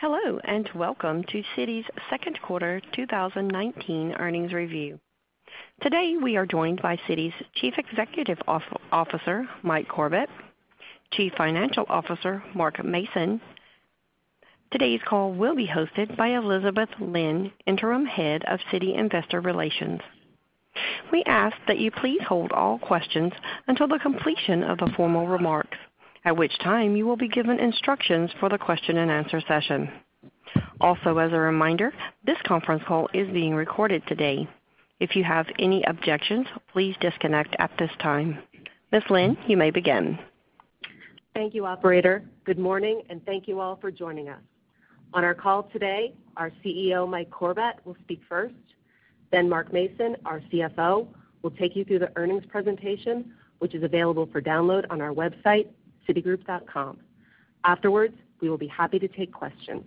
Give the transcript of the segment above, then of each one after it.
Hello. Welcome to Citi's Second Quarter 2019 Earnings Review. Today, we are joined by Citi's Chief Executive Officer, Mike Corbat, Chief Financial Officer, Mark Mason. Today's call will be hosted by Elizabeth Lynn, Interim Head of Citi Investor Relations. We ask that you please hold all questions until the completion of the formal remarks, at which time you will be given instructions for the question and answer session. As a reminder, this conference call is being recorded today. If you have any objections, please disconnect at this time. Ms. Lynn, you may begin. Thank you, operator. Good morning. Thank you all for joining us. On our call today, our CEO, Mike Corbat, will speak first. Mark Mason, our CFO, will take you through the earnings presentation, which is available for download on our website, citigroup.com. Afterwards, we will be happy to take questions.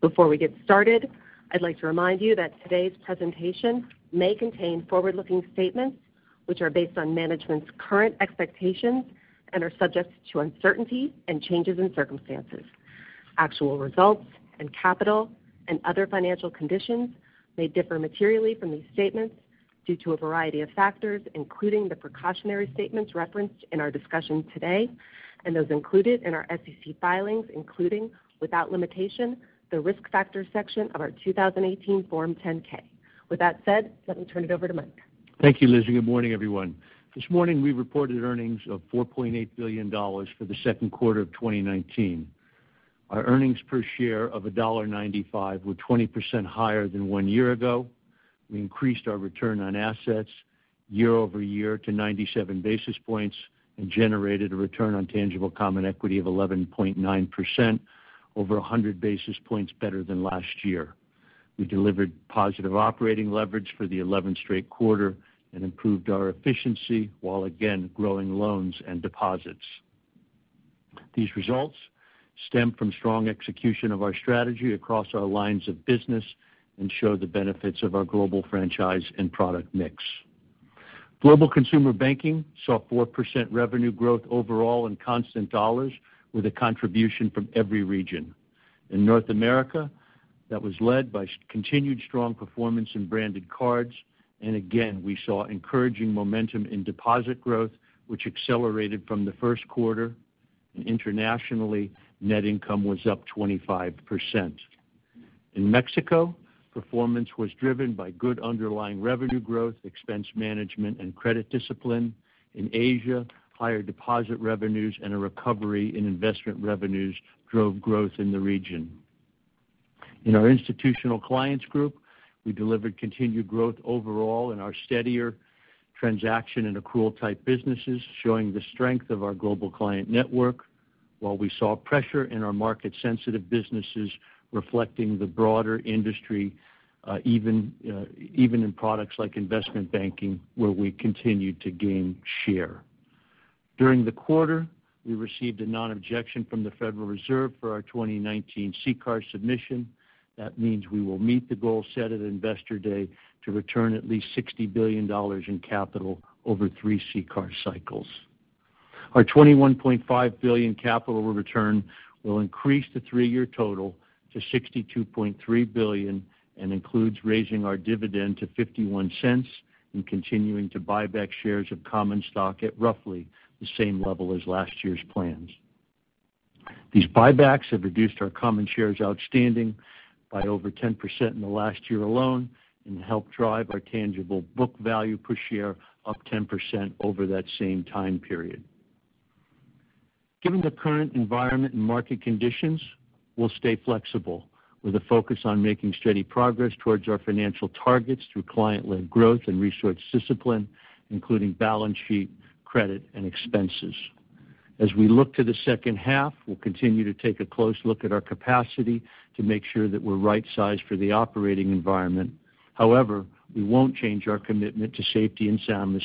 Before we get started, I'd like to remind you that today's presentation may contain forward-looking statements, which are based on management's current expectations and are subject to uncertainty and changes in circumstances. Actual results and capital and other financial conditions may differ materially from these statements due to a variety of factors, including the precautionary statements referenced in our discussion today, and those included in our SEC filings, including, without limitation, the Risk Factors section of our 2018 Form 10-K. With that said, let me turn it over to Mike. Thank you, Lizzy. Good morning, everyone. This morning, we reported earnings of $4.8 billion for the second quarter of 2019. Our earnings per share of $1.95 were 20% higher than one year ago. We increased our return on assets year-over-year to 97 basis points and generated a return on tangible common equity of 11.9%, over 100 basis points better than last year. We delivered positive operating leverage for the 11th straight quarter and improved our efficiency while again growing loans and deposits. These results stem from strong execution of our strategy across our lines of business and show the benefits of our global franchise and product mix. Global Consumer Banking saw 4% revenue growth overall in constant dollars with a contribution from every region. In North America, that was led by continued strong performance in branded cards. Again, we saw encouraging momentum in deposit growth, which accelerated from the first quarter. Internationally, net income was up 25%. In Mexico, performance was driven by good underlying revenue growth, expense management, and credit discipline. In Asia, higher deposit revenues and a recovery in investment revenues drove growth in the region. In our Institutional Clients Group, we delivered continued growth overall in our steadier transaction and accrual type businesses, showing the strength of our global client network while we saw pressure in our market-sensitive businesses reflecting the broader industry, even in products like investment banking, where we continued to gain share. During the quarter, we received a non-objection from the Federal Reserve for our 2019 CCAR submission. That means we will meet the goal set at Investor Day to return at least $60 billion in capital over three CCAR cycles. Our $21.5 billion capital return will increase the three-year total to $62.3 billion and includes raising our dividend to $0.51 and continuing to buy back shares of common stock at roughly the same level as last year's plans. These buybacks have reduced our common shares outstanding by over 10% in the last year alone and helped drive our tangible book value per share up 10% over that same time period. Given the current environment and market conditions, we'll stay flexible with a focus on making steady progress towards our financial targets through client-led growth and resource discipline, including balance sheet, credit, and expenses. As we look to the second half, we'll continue to take a close look at our capacity to make sure that we're right-sized for the operating environment. We won't change our commitment to safety and soundness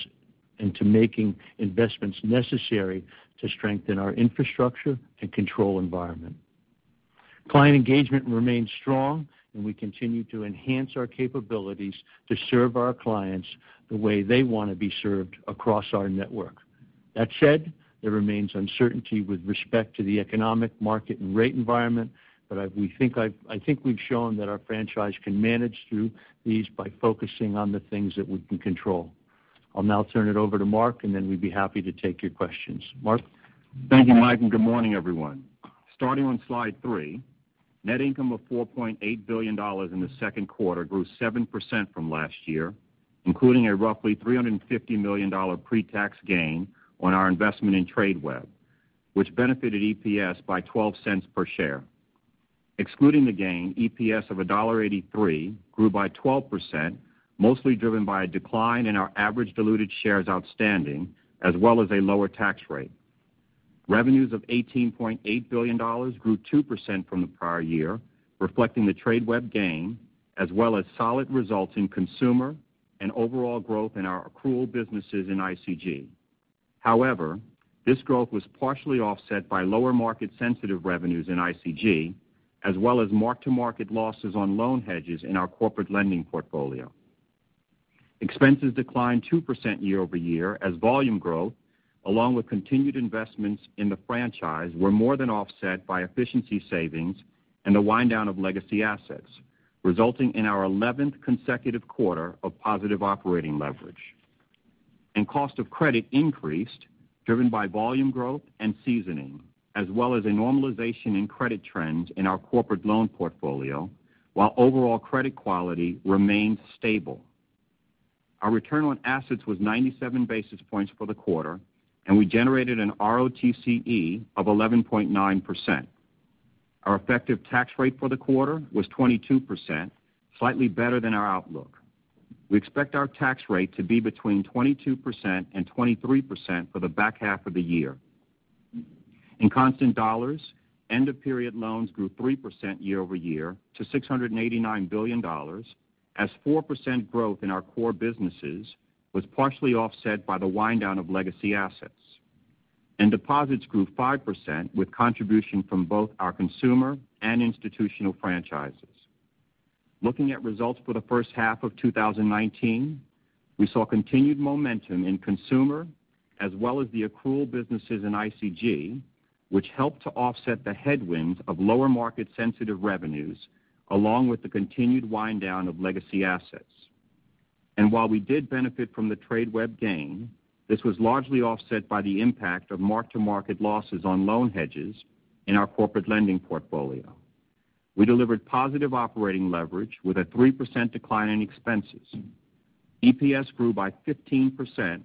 and to making investments necessary to strengthen our infrastructure and control environment. Client engagement remains strong, and we continue to enhance our capabilities to serve our clients the way they want to be served across our network. There remains uncertainty with respect to the economic market and rate environment, I think we've shown that our franchise can manage through these by focusing on the things that we can control. I'll now turn it over to Mark, then we'd be happy to take your questions. Mark? Thank you, Mike, good morning, everyone. Starting on slide three, net income of $4.8 billion in the second quarter grew 7% from last year, including a roughly $350 million pre-tax gain on our investment in Tradeweb, which benefited EPS by $0.12 per share. Excluding the gain, EPS of $1.83 grew by 12%, mostly driven by a decline in our average diluted shares outstanding, as well as a lower tax rate. Revenues of $18.8 billion grew 2% from the prior year, reflecting the Tradeweb gain, as well as solid results in consumer and overall growth in our accrual businesses in ICG. This growth was partially offset by lower market-sensitive revenues in ICG, as well as mark-to-market losses on loan hedges in our corporate lending portfolio. Expenses declined 2% year-over-year as volume growth, along with continued investments in the franchise, were more than offset by efficiency savings and the wind down of legacy assets, resulting in our 11th consecutive quarter of positive operating leverage. Cost of credit increased, driven by volume growth and seasoning, as well as a normalization in credit trends in our corporate loan portfolio, while overall credit quality remained stable. Our return on assets was 97 basis points for the quarter, and we generated an ROTCE of 11.9%. Our effective tax rate for the quarter was 22%, slightly better than our outlook. We expect our tax rate to be between 22% and 23% for the back half of the year. In constant dollars, end-of-period loans grew 3% year-over-year to $689 billion, as 4% growth in our core businesses was partially offset by the wind down of legacy assets. Deposits grew 5%, with contribution from both our consumer and institutional franchises. Looking at results for the first half of 2019, we saw continued momentum in consumer, as well as the accrual businesses in ICG, which helped to offset the headwinds of lower market sensitive revenues, along with the continued wind down of legacy assets. While we did benefit from the Tradeweb gain, this was largely offset by the impact of mark-to-market losses on loan hedges in our corporate lending portfolio. We delivered positive operating leverage with a 3% decline in expenses. EPS grew by 15%,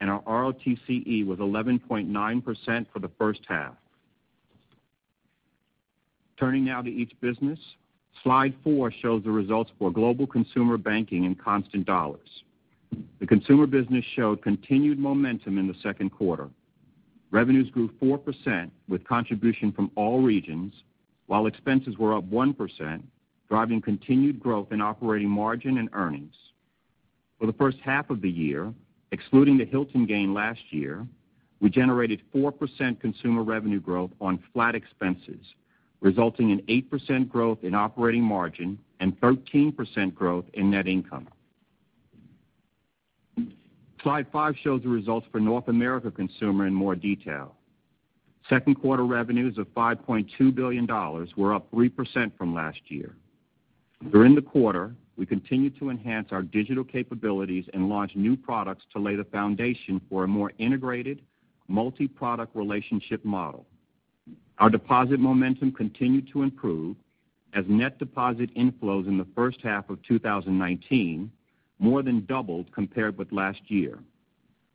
and our ROTCE was 11.9% for the first half. Turning now to each business. Slide four shows the results for Global Consumer Banking in constant dollars. The consumer business showed continued momentum in the second quarter. Revenues grew 4%, with contribution from all regions, while expenses were up 1%, driving continued growth in operating margin and earnings. For the first half of the year, excluding the Hilton gain last year, we generated 4% consumer revenue growth on flat expenses, resulting in 8% growth in operating margin and 13% growth in net income. Slide five shows the results for North America Consumer in more detail. Second quarter revenues of $5.2 billion were up 3% from last year. During the quarter, we continued to enhance our digital capabilities and launch new products to lay the foundation for a more integrated, multi-product relationship model. Our deposit momentum continued to improve as net deposit inflows in the first half of 2019 more than doubled compared with last year.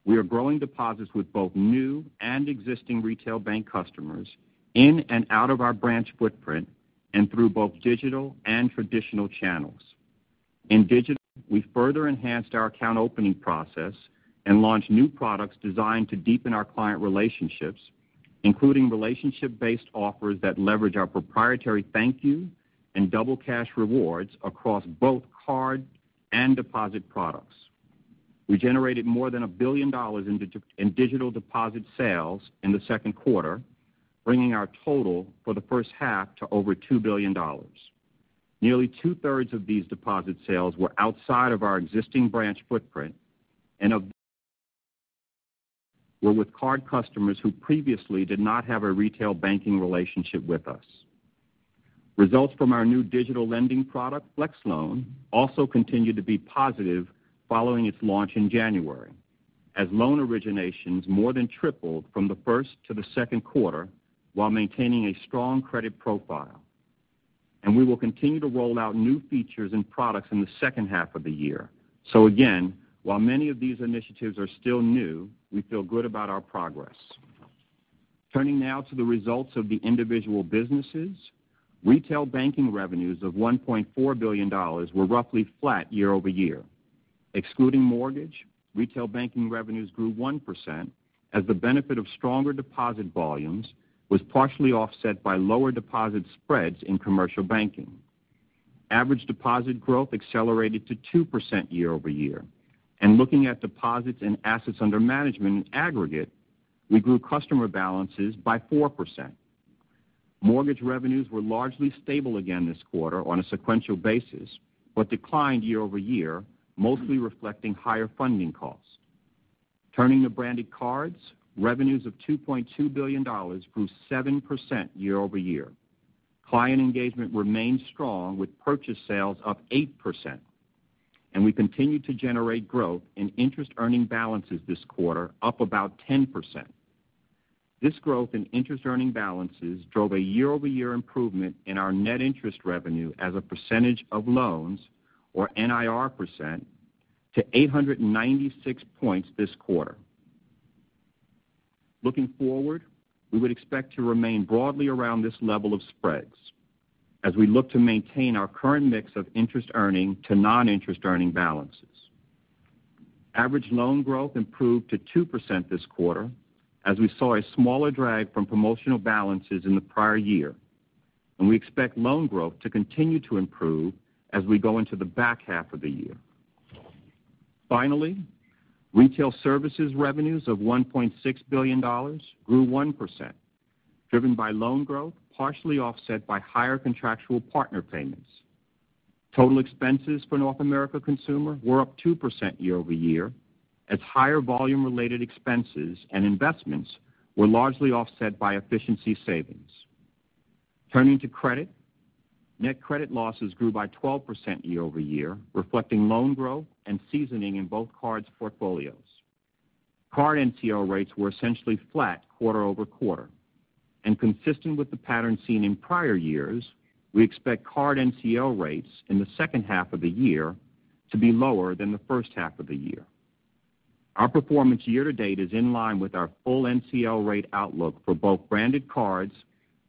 We are growing deposits with both new and existing retail bank customers in and out of our branch footprint and through both digital and traditional channels. In digital, we further enhanced our account opening process and launched new products designed to deepen our client relationships, including relationship-based offers that leverage our proprietary ThankYou and Double Cash rewards across both card and deposit products. We generated more than $1 billion in digital deposit sales in the second quarter, bringing our total for the first half to over $2 billion. Nearly two-thirds of these deposit sales were outside of our existing branch footprint, and were with card customers who previously did not have a retail banking relationship with us. Results from our new digital lending product, Flex Loan, also continued to be positive following its launch in January, as loan originations more than tripled from the first to the second quarter while maintaining a strong credit profile. We will continue to roll out new features and products in the second half of the year. Again, while many of these initiatives are still new, we feel good about our progress. Turning now to the results of the individual businesses. Retail banking revenues of $1.4 billion were roughly flat year-over-year. Excluding mortgage, retail banking revenues grew 1% as the benefit of stronger deposit volumes was partially offset by lower deposit spreads in commercial banking. Average deposit growth accelerated to 2% year-over-year. Looking at deposits and assets under management in aggregate, we grew customer balances by 4%. Mortgage revenues were largely stable again this quarter on a sequential basis, but declined year-over-year, mostly reflecting higher funding costs. Turning to branded cards, revenues of $2.2 billion grew 7% year-over-year. Client engagement remained strong with purchase sales up 8%, and we continued to generate growth in interest earning balances this quarter, up about 10%. This growth in interest earning balances drove a year-over-year improvement in our net interest revenue as a percentage of loans, or NIR percent, to 896 points this quarter. Looking forward, we would expect to remain broadly around this level of spreads as we look to maintain our current mix of interest earning to non-interest earning balances. Average loan growth improved to 2% this quarter, as we saw a smaller drag from promotional balances in the prior year. We expect loan growth to continue to improve as we go into the back half of the year. Finally, retail services revenues of $1.6 billion grew 1%, driven by loan growth, partially offset by higher contractual partner payments. Total expenses for North America Consumer were up 2% year-over-year as higher volume related expenses and investments were largely offset by efficiency savings. Turning to credit. Net credit losses grew by 12% year-over-year, reflecting loan growth and seasoning in both cards portfolios. Card NCL rates were essentially flat quarter-over-quarter. Consistent with the pattern seen in prior years, we expect card NCL rates in the second half of the year to be lower than the first half of the year. Our performance year-to-date is in line with our full NCL rate outlook for both branded cards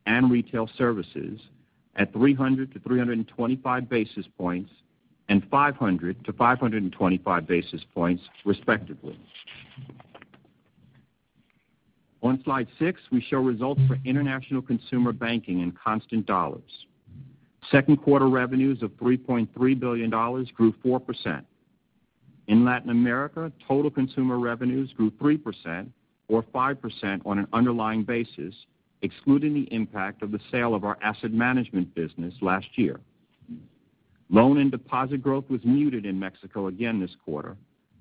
and retail services at 300 to 325 basis points and 500 to 525 basis points respectively. On slide six, we show results for International Consumer Banking in constant dollars. Second quarter revenues of $3.3 billion grew 4%. In Latin America, total consumer revenues grew 3% or 5% on an underlying basis, excluding the impact of the sale of our asset management business last year. Loan and deposit growth was muted in Mexico again this quarter,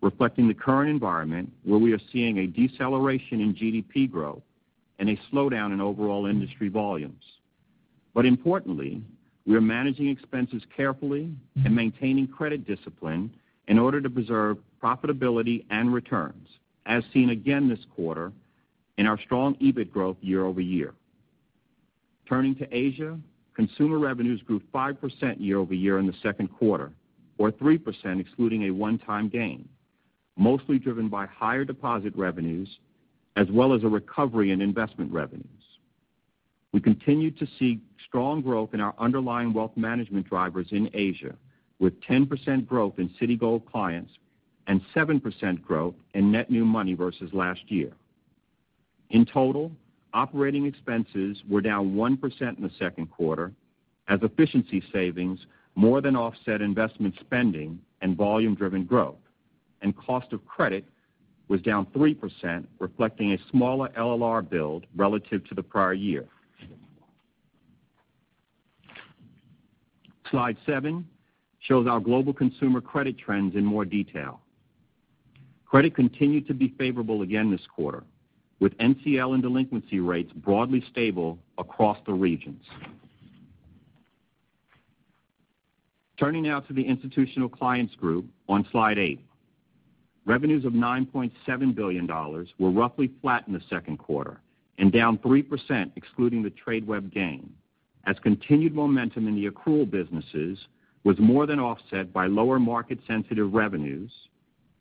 reflecting the current environment where we are seeing a deceleration in GDP growth and a slowdown in overall industry volumes. Importantly, we are managing expenses carefully and maintaining credit discipline in order to preserve profitability and returns, as seen again this quarter in our strong EBIT growth year-over-year. Turning to Asia, consumer revenues grew 5% year-over-year in the second quarter or 3% excluding a one-time gain, mostly driven by higher deposit revenues as well as a recovery in investment revenues. We continued to see strong growth in our underlying wealth management drivers in Asia, with 10% growth in Citigold clients and 7% growth in net new money versus last year. In total, operating expenses were down 1% in the second quarter as efficiency savings more than offset investment spending and volume-driven growth. Cost of credit was down 3%, reflecting a smaller LLR build relative to the prior year. Slide seven shows our global consumer credit trends in more detail. Credit continued to be favorable again this quarter, with NCL and delinquency rates broadly stable across the regions. Turning now to the Institutional Clients Group on slide eight. Revenues of $9.7 billion were roughly flat in the second quarter and down 3% excluding the Tradeweb gain, as continued momentum in the accrual businesses was more than offset by lower market sensitive revenues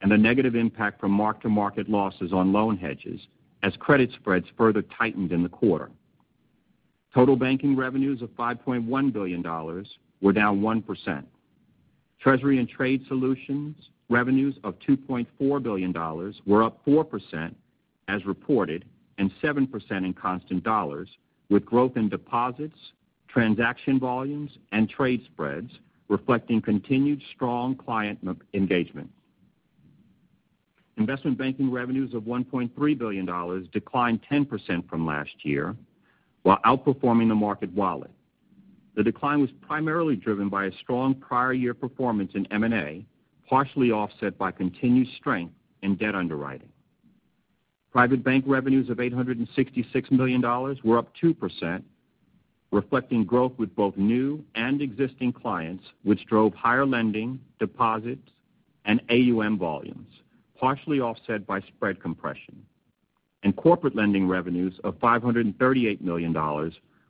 and a negative impact from mark-to-market losses on loan hedges as credit spreads further tightened in the quarter. Total banking revenues of $5.1 billion were down 1%. Treasury and Trade Solutions revenues of $2.4 billion were up 4% as reported and 7% in constant dollars, with growth in deposits, transaction volumes, and trade spreads reflecting continued strong client engagement. Investment banking revenues of $1.3 billion declined 10% from last year while outperforming the market wallet. The decline was primarily driven by a strong prior year performance in M&A, partially offset by continued strength in debt underwriting. Private bank revenues of $866 million were up 2%, reflecting growth with both new and existing clients, which drove higher lending, deposits, and AUM volumes, partially offset by spread compression. Corporate lending revenues of $538 million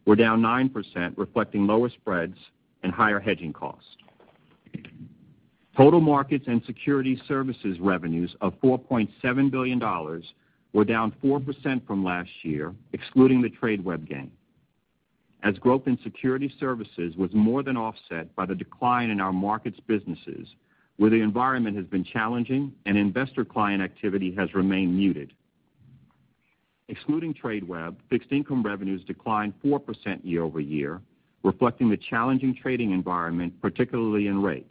were down 9%, reflecting lower spreads and higher hedging costs. Total markets and security services revenues of $4.7 billion were down 4% from last year, excluding the Tradeweb gain, as growth in security services was more than offset by the decline in our markets businesses where the environment has been challenging and investor client activity has remained muted. Excluding Tradeweb, fixed income revenues declined 4% year-over-year, reflecting the challenging trading environment, particularly in rates.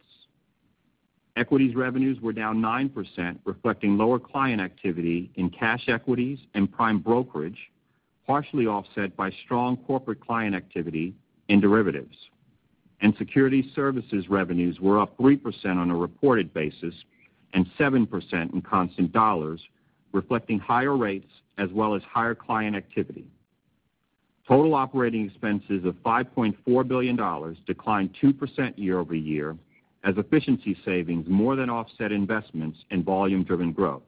Equities revenues were down 9%, reflecting lower client activity in cash equities and prime brokerage, partially offset by strong corporate client activity in derivatives. Security services revenues were up 3% on a reported basis and 7% in constant dollars, reflecting higher rates as well as higher client activity. Total operating expenses of $5.4 billion declined 2% year-over-year as efficiency savings more than offset investments in volume-driven growth.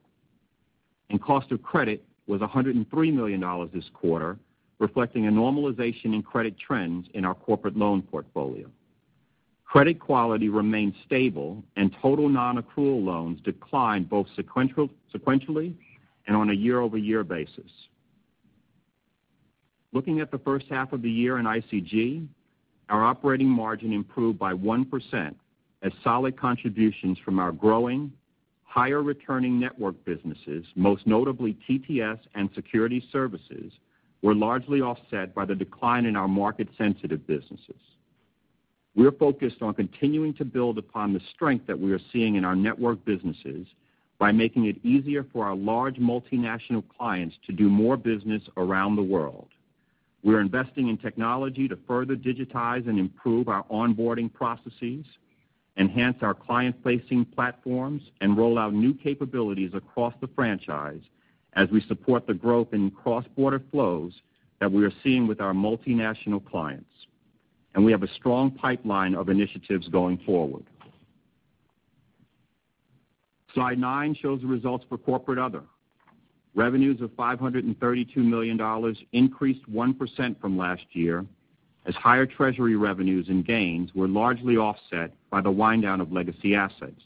Cost of credit was $103 million this quarter, reflecting a normalization in credit trends in our corporate loan portfolio. Credit quality remained stable and total non-accrual loans declined both sequentially and on a year-over-year basis. Looking at the first half of the year in ICG, our operating margin improved by 1% as solid contributions from our growing, higher returning network businesses, most notably TTS and security services, were largely offset by the decline in our market sensitive businesses. We're focused on continuing to build upon the strength that we are seeing in our network businesses by making it easier for our large multinational clients to do more business around the world. We're investing in technology to further digitize and improve our onboarding processes, enhance our client-facing platforms, and roll out new capabilities across the franchise as we support the growth in cross-border flows that we are seeing with our multinational clients. We have a strong pipeline of initiatives going forward. Slide nine shows the results for Corporate Other. Revenues of $532 million increased 1% from last year, as higher treasury revenues and gains were largely offset by the wind down of legacy assets.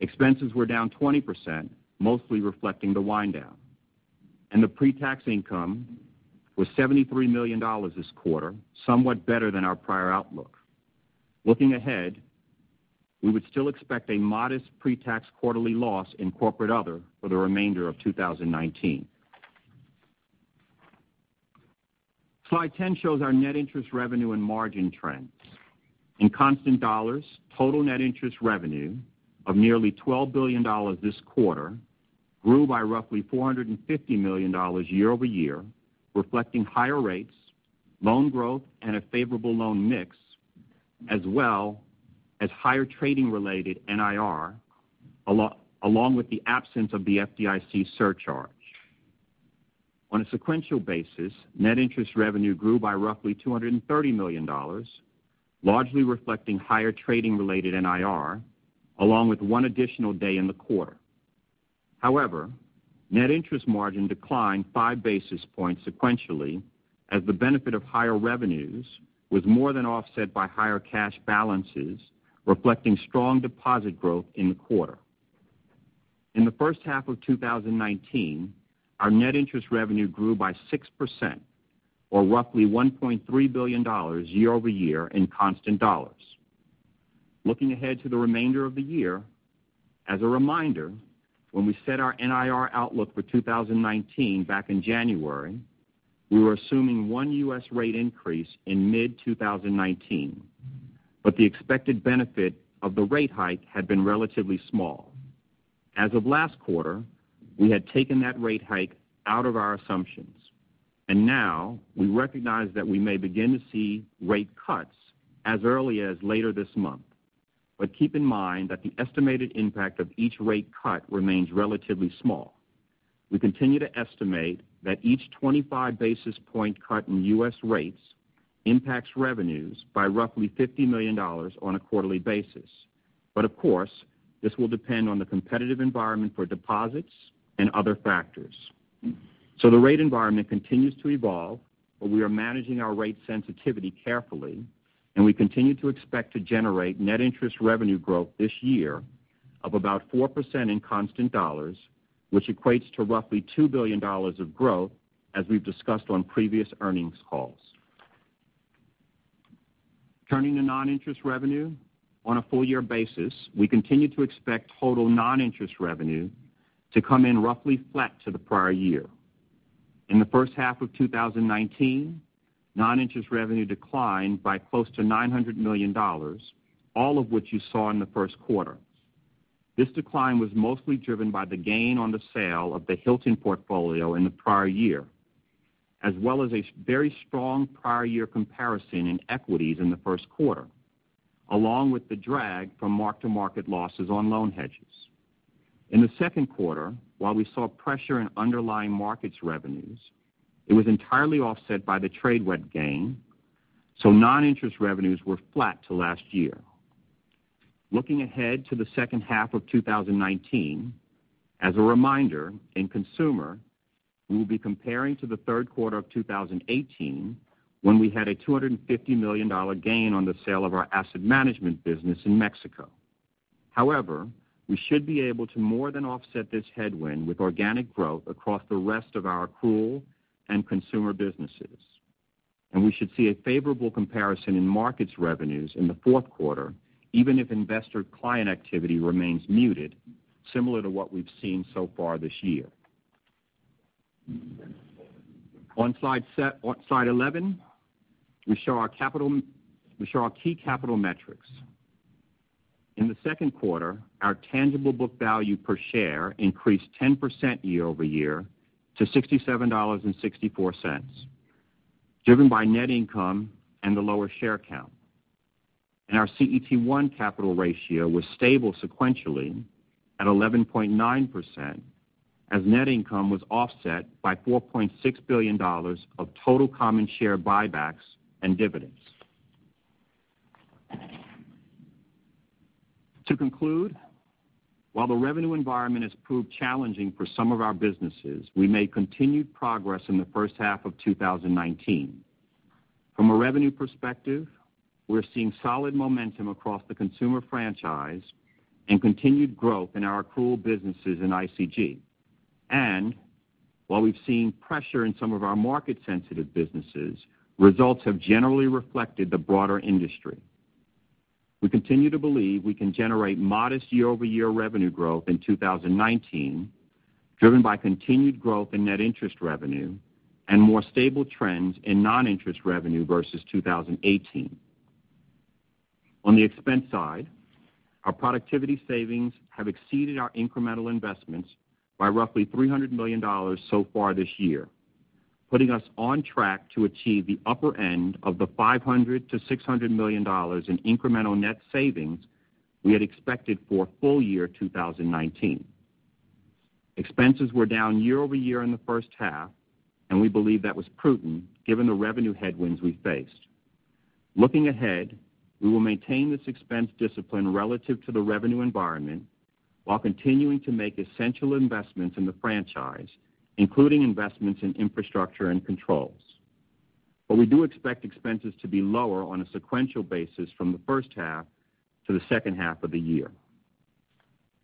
Expenses were down 20%, mostly reflecting the wind down. The pre-tax income was $73 million this quarter, somewhat better than our prior outlook. Looking ahead, we would still expect a modest pre-tax quarterly loss in Corporate Other for the remainder of 2019. Slide 10 shows our net interest revenue and margin trends. In constant dollars, total net interest revenue of nearly $12 billion this quarter grew by roughly $450 million year-over-year, reflecting higher rates, loan growth, and a favorable loan mix, as well as higher trading-related NIR, along with the absence of the FDIC surcharge. On a sequential basis, net interest revenue grew by roughly $230 million, largely reflecting higher trading-related NIR, along with one additional day in the quarter. Net interest margin declined five basis points sequentially as the benefit of higher revenues was more than offset by higher cash balances, reflecting strong deposit growth in the quarter. In the first half of 2019, our net interest revenue grew by 6%, or roughly $1.3 billion year-over-year in constant dollars. Looking ahead to the remainder of the year, as a reminder, when we set our NIR outlook for 2019 back in January, we were assuming one U.S. rate increase in mid-2019. The expected benefit of the rate hike had been relatively small. As of last quarter, we had taken that rate hike out of our assumptions. Now we recognize that we may begin to see rate cuts as early as later this month. Keep in mind that the estimated impact of each rate cut remains relatively small. We continue to estimate that each 25 basis point cut in U.S. rates impacts revenues by roughly $50 million on a quarterly basis. Of course, this will depend on the competitive environment for deposits and other factors. The rate environment continues to evolve, but we are managing our rate sensitivity carefully, and we continue to expect to generate net interest revenue growth this year of about 4% in constant dollars, which equates to roughly $2 billion of growth as we've discussed on previous earnings calls. Turning to non-interest revenue. On a full-year basis, we continue to expect total non-interest revenue to come in roughly flat to the prior year. In the first half of 2019, non-interest revenue declined by close to $900 million, all of which you saw in the first quarter. This decline was mostly driven by the gain on the sale of the Hilton portfolio in the prior year, as well as a very strong prior year comparison in equities in the first quarter, along with the drag from mark-to-market losses on loan hedges. In the second quarter, while we saw pressure in underlying markets revenues, it was entirely offset by the Tradeweb gain. Non-interest revenues were flat to last year. Looking ahead to the second half of 2019, as a reminder, in consumer, we will be comparing to the third quarter of 2018, when we had a $250 million gain on the sale of our asset management business in Mexico. We should be able to more than offset this headwind with organic growth across the rest of our accrual and consumer businesses. We should see a favorable comparison in markets revenues in the fourth quarter, even if investor client activity remains muted, similar to what we've seen so far this year. On slide 11, we show our key capital metrics. In the second quarter, our tangible book value per share increased 10% year-over-year to $67.64, driven by net income and the lower share count. Our CET1 capital ratio was stable sequentially at 11.9% as net income was offset by $4.6 billion of total common share buybacks and dividends. To conclude, while the revenue environment has proved challenging for some of our businesses, we made continued progress in the first half of 2019. From a revenue perspective, we're seeing solid momentum across the consumer franchise and continued growth in our accrual businesses in ICG. While we've seen pressure in some of our market-sensitive businesses, results have generally reflected the broader industry. We continue to believe we can generate modest year-over-year revenue growth in 2019, driven by continued growth in net interest revenue and more stable trends in non-interest revenue versus 2018. On the expense side, our productivity savings have exceeded our incremental investments by roughly $300 million so far this year, putting us on track to achieve the upper end of the $500 million-$600 million in incremental net savings we had expected for full year 2019. Expenses were down year-over-year in the first half. We believe that was prudent given the revenue headwinds we faced. Looking ahead, we will maintain this expense discipline relative to the revenue environment while continuing to make essential investments in the franchise, including investments in infrastructure and controls. We do expect expenses to be lower on a sequential basis from the first half to the second half of the year.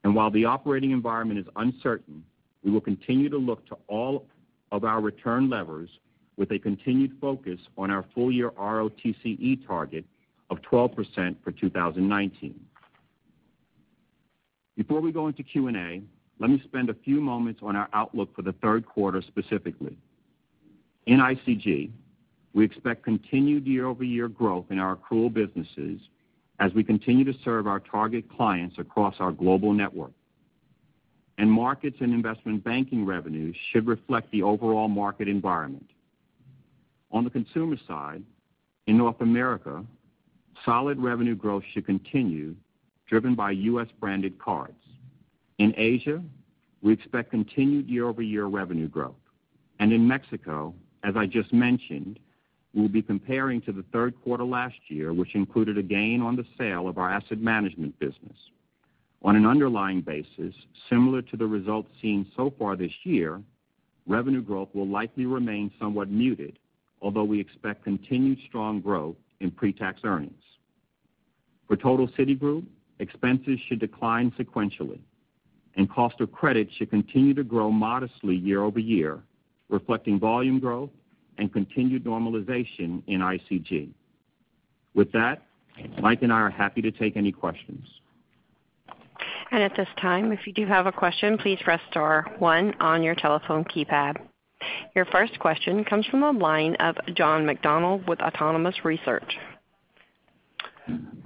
While the operating environment is uncertain, we will continue to look to all of our return levers with a continued focus on our full-year ROTCE target of 12% for 2019. Before we go into Q&A, let me spend a few moments on our outlook for the third quarter, specifically. In ICG, we expect continued year-over-year growth in our accrual businesses as we continue to serve our target clients across our global network. Markets and investment banking revenues should reflect the overall market environment. On the consumer side, in North America, solid revenue growth should continue, driven by U.S.-branded cards. In Asia, we expect continued year-over-year revenue growth. In Mexico, as I just mentioned, we'll be comparing to the third quarter last year, which included a gain on the sale of our asset management business. On an underlying basis, similar to the results seen so far this year, revenue growth will likely remain somewhat muted, although we expect continued strong growth in pre-tax earnings. For total Citigroup, expenses should decline sequentially, and cost of credit should continue to grow modestly year-over-year, reflecting volume growth and continued normalization in ICG. With that, Mike and I are happy to take any questions. At this time, if you do have a question, please press star one on your telephone keypad. Your first question comes from the line of John McDonald with Autonomous Research.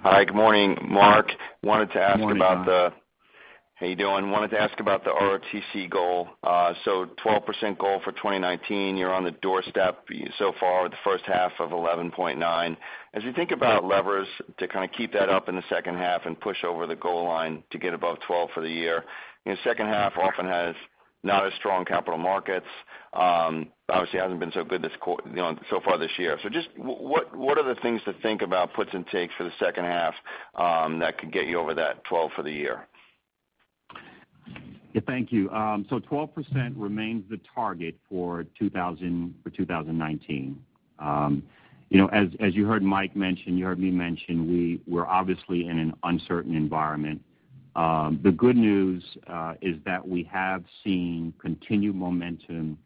Hi, good morning, Mark. Morning, John. How you doing? Wanted to ask about the ROTCE goal. 12% goal for 2019. You're on the doorstep so far, the first half of 11.9%. As you think about levers to kind of keep that up in the second half and push over the goal line to get above 12% for the year. Second half often has not as strong capital markets. Obviously hasn't been so good so far this year. What are the things to think about, puts and takes for the second half, that could get you over that 12% for the year? Yeah, thank you. 12% remains the target for 2019. As you heard Mike mention, you heard me mention, we're obviously in an uncertain environment. The good news is that we have seen continued momentum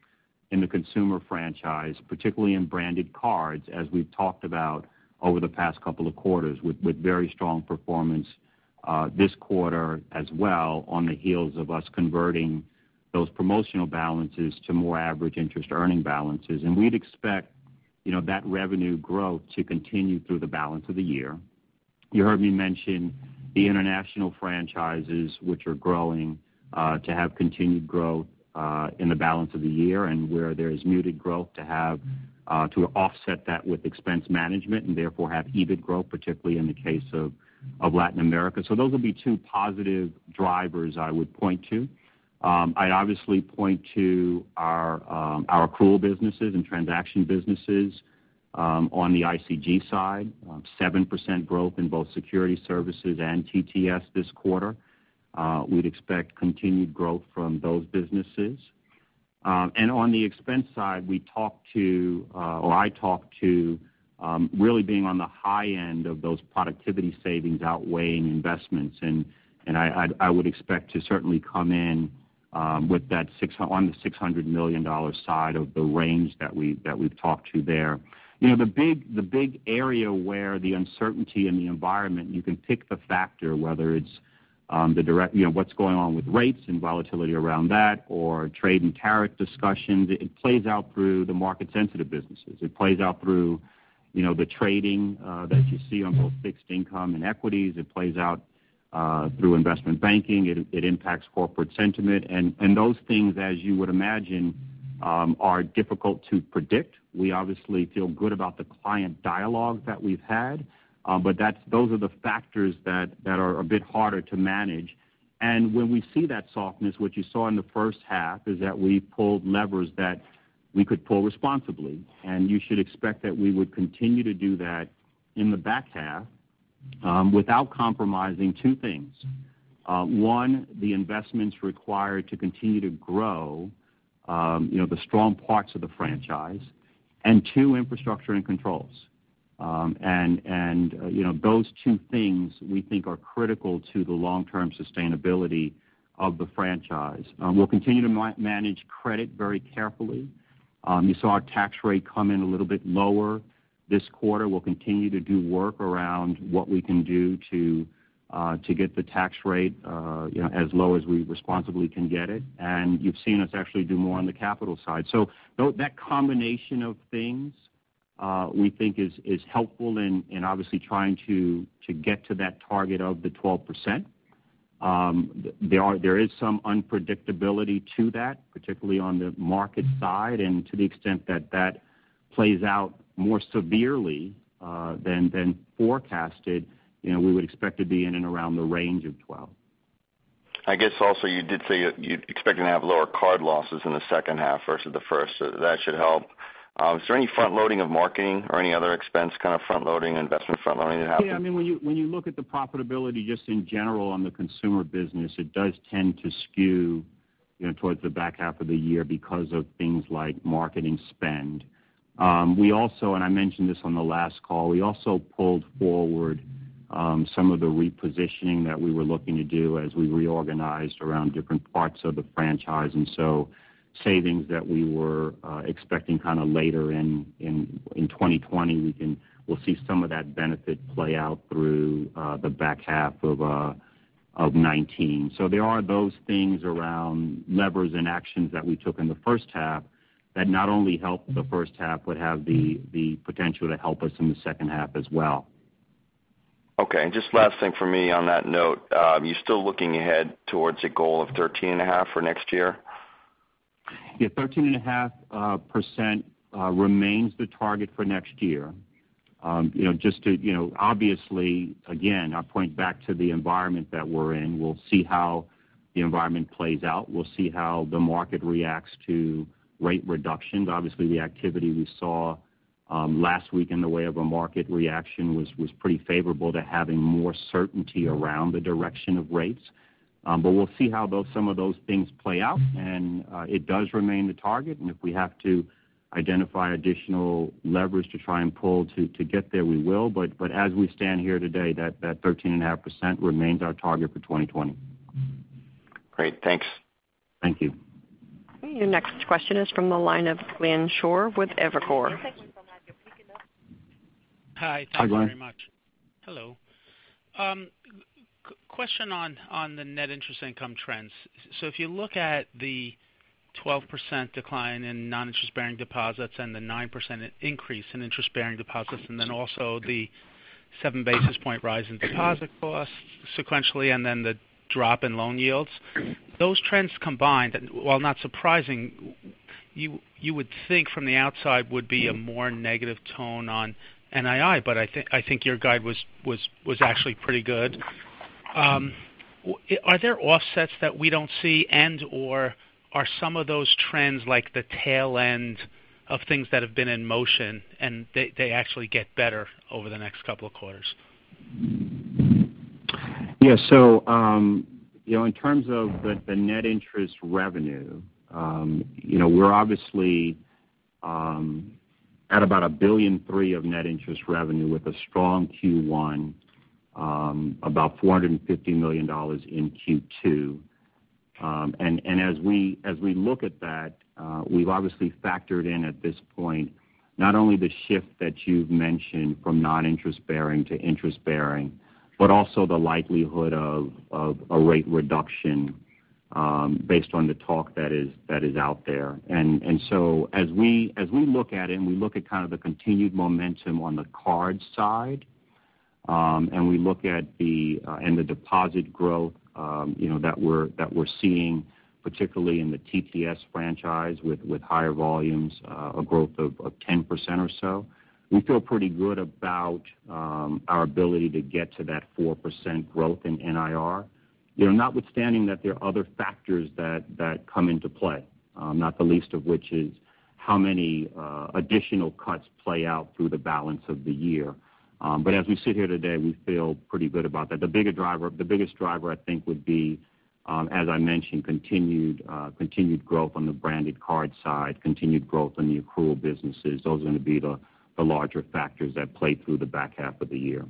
in the consumer franchise, particularly in branded cards, as we've talked about over the past couple of quarters, with very strong performance this quarter as well, on the heels of us converting those promotional balances to more average interest earning balances. We'd expect that revenue growth to continue through the balance of the year. You heard me mention the international franchises, which are growing, to have continued growth in the balance of the year, and where there is muted growth, to offset that with expense management and therefore have EBIT growth, particularly in the case of Latin America. Those will be two positive drivers I would point to. I'd obviously point to our accrual businesses and transaction businesses on the ICG side. 7% growth in both securities services and TTS this quarter. We'd expect continued growth from those businesses. On the expense side, I talked to really being on the high end of those productivity savings outweighing investments, and I would expect to certainly come in on the $600 million side of the range that we've talked to there. The big area where the uncertainty in the environment, you can pick the factor, whether it's what's going on with rates and volatility around that, or trade and tariff discussions. It plays out through the market-sensitive businesses. It plays out through the trading that you see on both fixed income and equities. It plays out through investment banking. It impacts corporate sentiment. Those things, as you would imagine, are difficult to predict. We obviously feel good about the client dialogue that we've had. Those are the factors that are a bit harder to manage. When we see that softness, what you saw in the first half, is that we pulled levers that we could pull responsibly. You should expect that we would continue to do that in the back half, without compromising two things. One, the investments required to continue to grow the strong parts of the franchise. Two, infrastructure and controls. Those two things, we think, are critical to the long-term sustainability of the franchise. We'll continue to manage credit very carefully. You saw our tax rate come in a little bit lower this quarter, we'll continue to do work around what we can do to get the tax rate as low as we responsibly can get it. You've seen us actually do more on the capital side. That combination of things we think is helpful in obviously trying to get to that target of the 12%. There is some unpredictability to that, particularly on the market side. To the extent that plays out more severely than forecasted, we would expect to be in and around the range of 12%. I guess also you did say you're expecting to have lower card losses in the second half versus the first. That should help. Is there any front-loading of marketing or any other expense kind of front-loading, investment front-loading that happens? Yeah, when you look at the profitability just in general on the consumer business, it does tend to skew towards the back half of the year because of things like marketing spend. We also, and I mentioned this on the last call, we also pulled forward some of the repositioning that we were looking to do as we reorganized around different parts of the franchise. Savings that we were expecting kind of later in 2020, we'll see some of that benefit play out through the back half of 2019. There are those things around levers and actions that we took in the first half that not only helped the first half, but have the potential to help us in the second half as well. Okay. Just last thing from me on that note, you're still looking ahead towards a goal of 13.5 for next year? Yeah, 13.5% remains the target for next year. Obviously, again, I point back to the environment that we're in. We'll see how the environment plays out. We'll see how the market reacts to rate reductions. Obviously, the activity we saw last week in the way of a market reaction was pretty favorable to having more certainty around the direction of rates. We'll see how some of those things play out. It does remain the target, and if we have to identify additional leverage to try and pull to get there, we will. As we stand here today, that 13.5% remains our target for 2020. Great. Thanks. Thank you. Your next question is from the line of Glenn Schorr with Evercore. Hi. Hi, Glenn. Thanks very much. Hello. Question on the net interest income trends. If you look at the 12% decline in non-interest-bearing deposits and the 9% increase in interest-bearing deposits, also the seven basis point rise in deposit costs sequentially, the drop in loan yields, those trends combined, while not surprising, you would think from the outside would be a more negative tone on NII, I think your guide was actually pretty good. Are there offsets that we don't see and/or are some of those trends like the tail end of things that have been in motion and they actually get better over the next couple of quarters? Yeah. In terms of the net interest revenue, we're obviously at about $1.3 billion of net interest revenue with a strong Q1, about $450 million in Q2. As we look at that, we've obviously factored in at this point not only the shift that you've mentioned from non-interest-bearing to interest-bearing, also the likelihood of a rate reduction based on the talk that is out there. As we look at it, we look at kind of the continued momentum on the card side, we look at the deposit growth that we're seeing, particularly in the TTS franchise with higher volumes, a growth of 10% or so, we feel pretty good about our ability to get to that 4% growth in NIR. Notwithstanding that there are other factors that come into play, not the least of which is how many additional cuts play out through the balance of the year. As we sit here today, we feel pretty good about that. The biggest driver, I think, would be, as I mentioned, continued growth on the branded card side, continued growth in the accrual businesses. Those are going to be the larger factors that play through the back half of the year.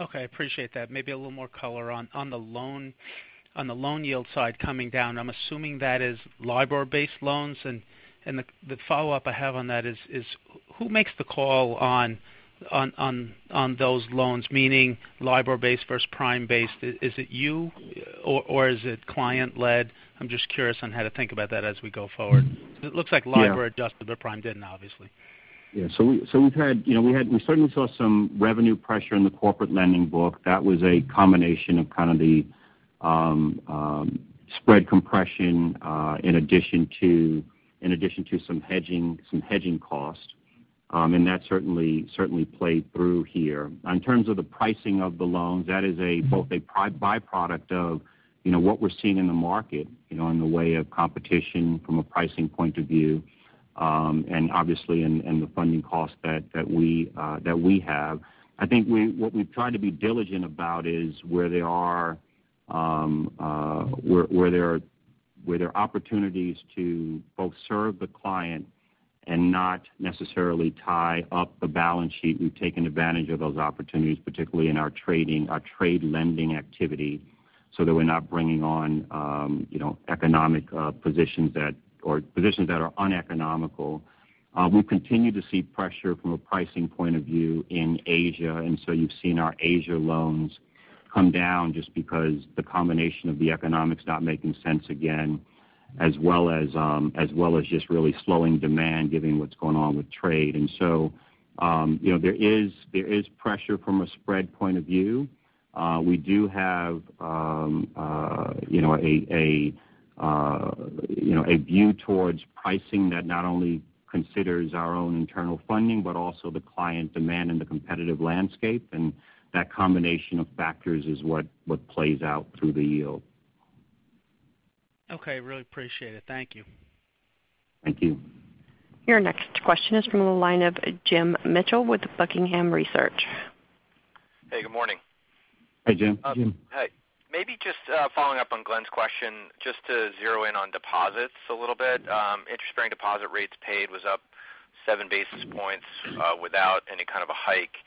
Okay, appreciate that. Maybe a little more color on the loan yield side coming down. I'm assuming that is LIBOR-based loans, the follow-up I have on that is who makes the call on those loans, meaning LIBOR-based versus prime-based? Is it you or is it client-led? I'm just curious on how to think about that as we go forward. It looks like LIBOR adjusted, prime didn't, obviously. Yeah. We certainly saw some revenue pressure in the corporate lending book. That was a combination of kind of the spread compression in addition to some hedging costs. That certainly played through here. In terms of the pricing of the loans, that is both a byproduct of what we're seeing in the market in the way of competition from a pricing point of view, and obviously in the funding cost that we have. I think what we've tried to be diligent about is where there are opportunities to both serve the client and not necessarily tie up the balance sheet. We've taken advantage of those opportunities, particularly in our trade lending activity. So that we're not bringing on economic positions or positions that are uneconomical. We continue to see pressure from a pricing point of view in Asia. You've seen our Asia loans come down just because the combination of the economics not making sense again, as well as just really slowing demand given what's going on with trade. There is pressure from a spread point of view. We do have a view towards pricing that not only considers our own internal funding, but also the client demand and the competitive landscape. That combination of factors is what plays out through the yield. Okay. Really appreciate it. Thank you. Thank you. Your next question is from the line of Jim Mitchell with Buckingham Research. Hey, good morning. Hi, Jim. Hi. Maybe just following up on Glenn's question, just to zero in on deposits a little bit. Interest-bearing deposit rates paid was up seven basis points without any kind of a hike.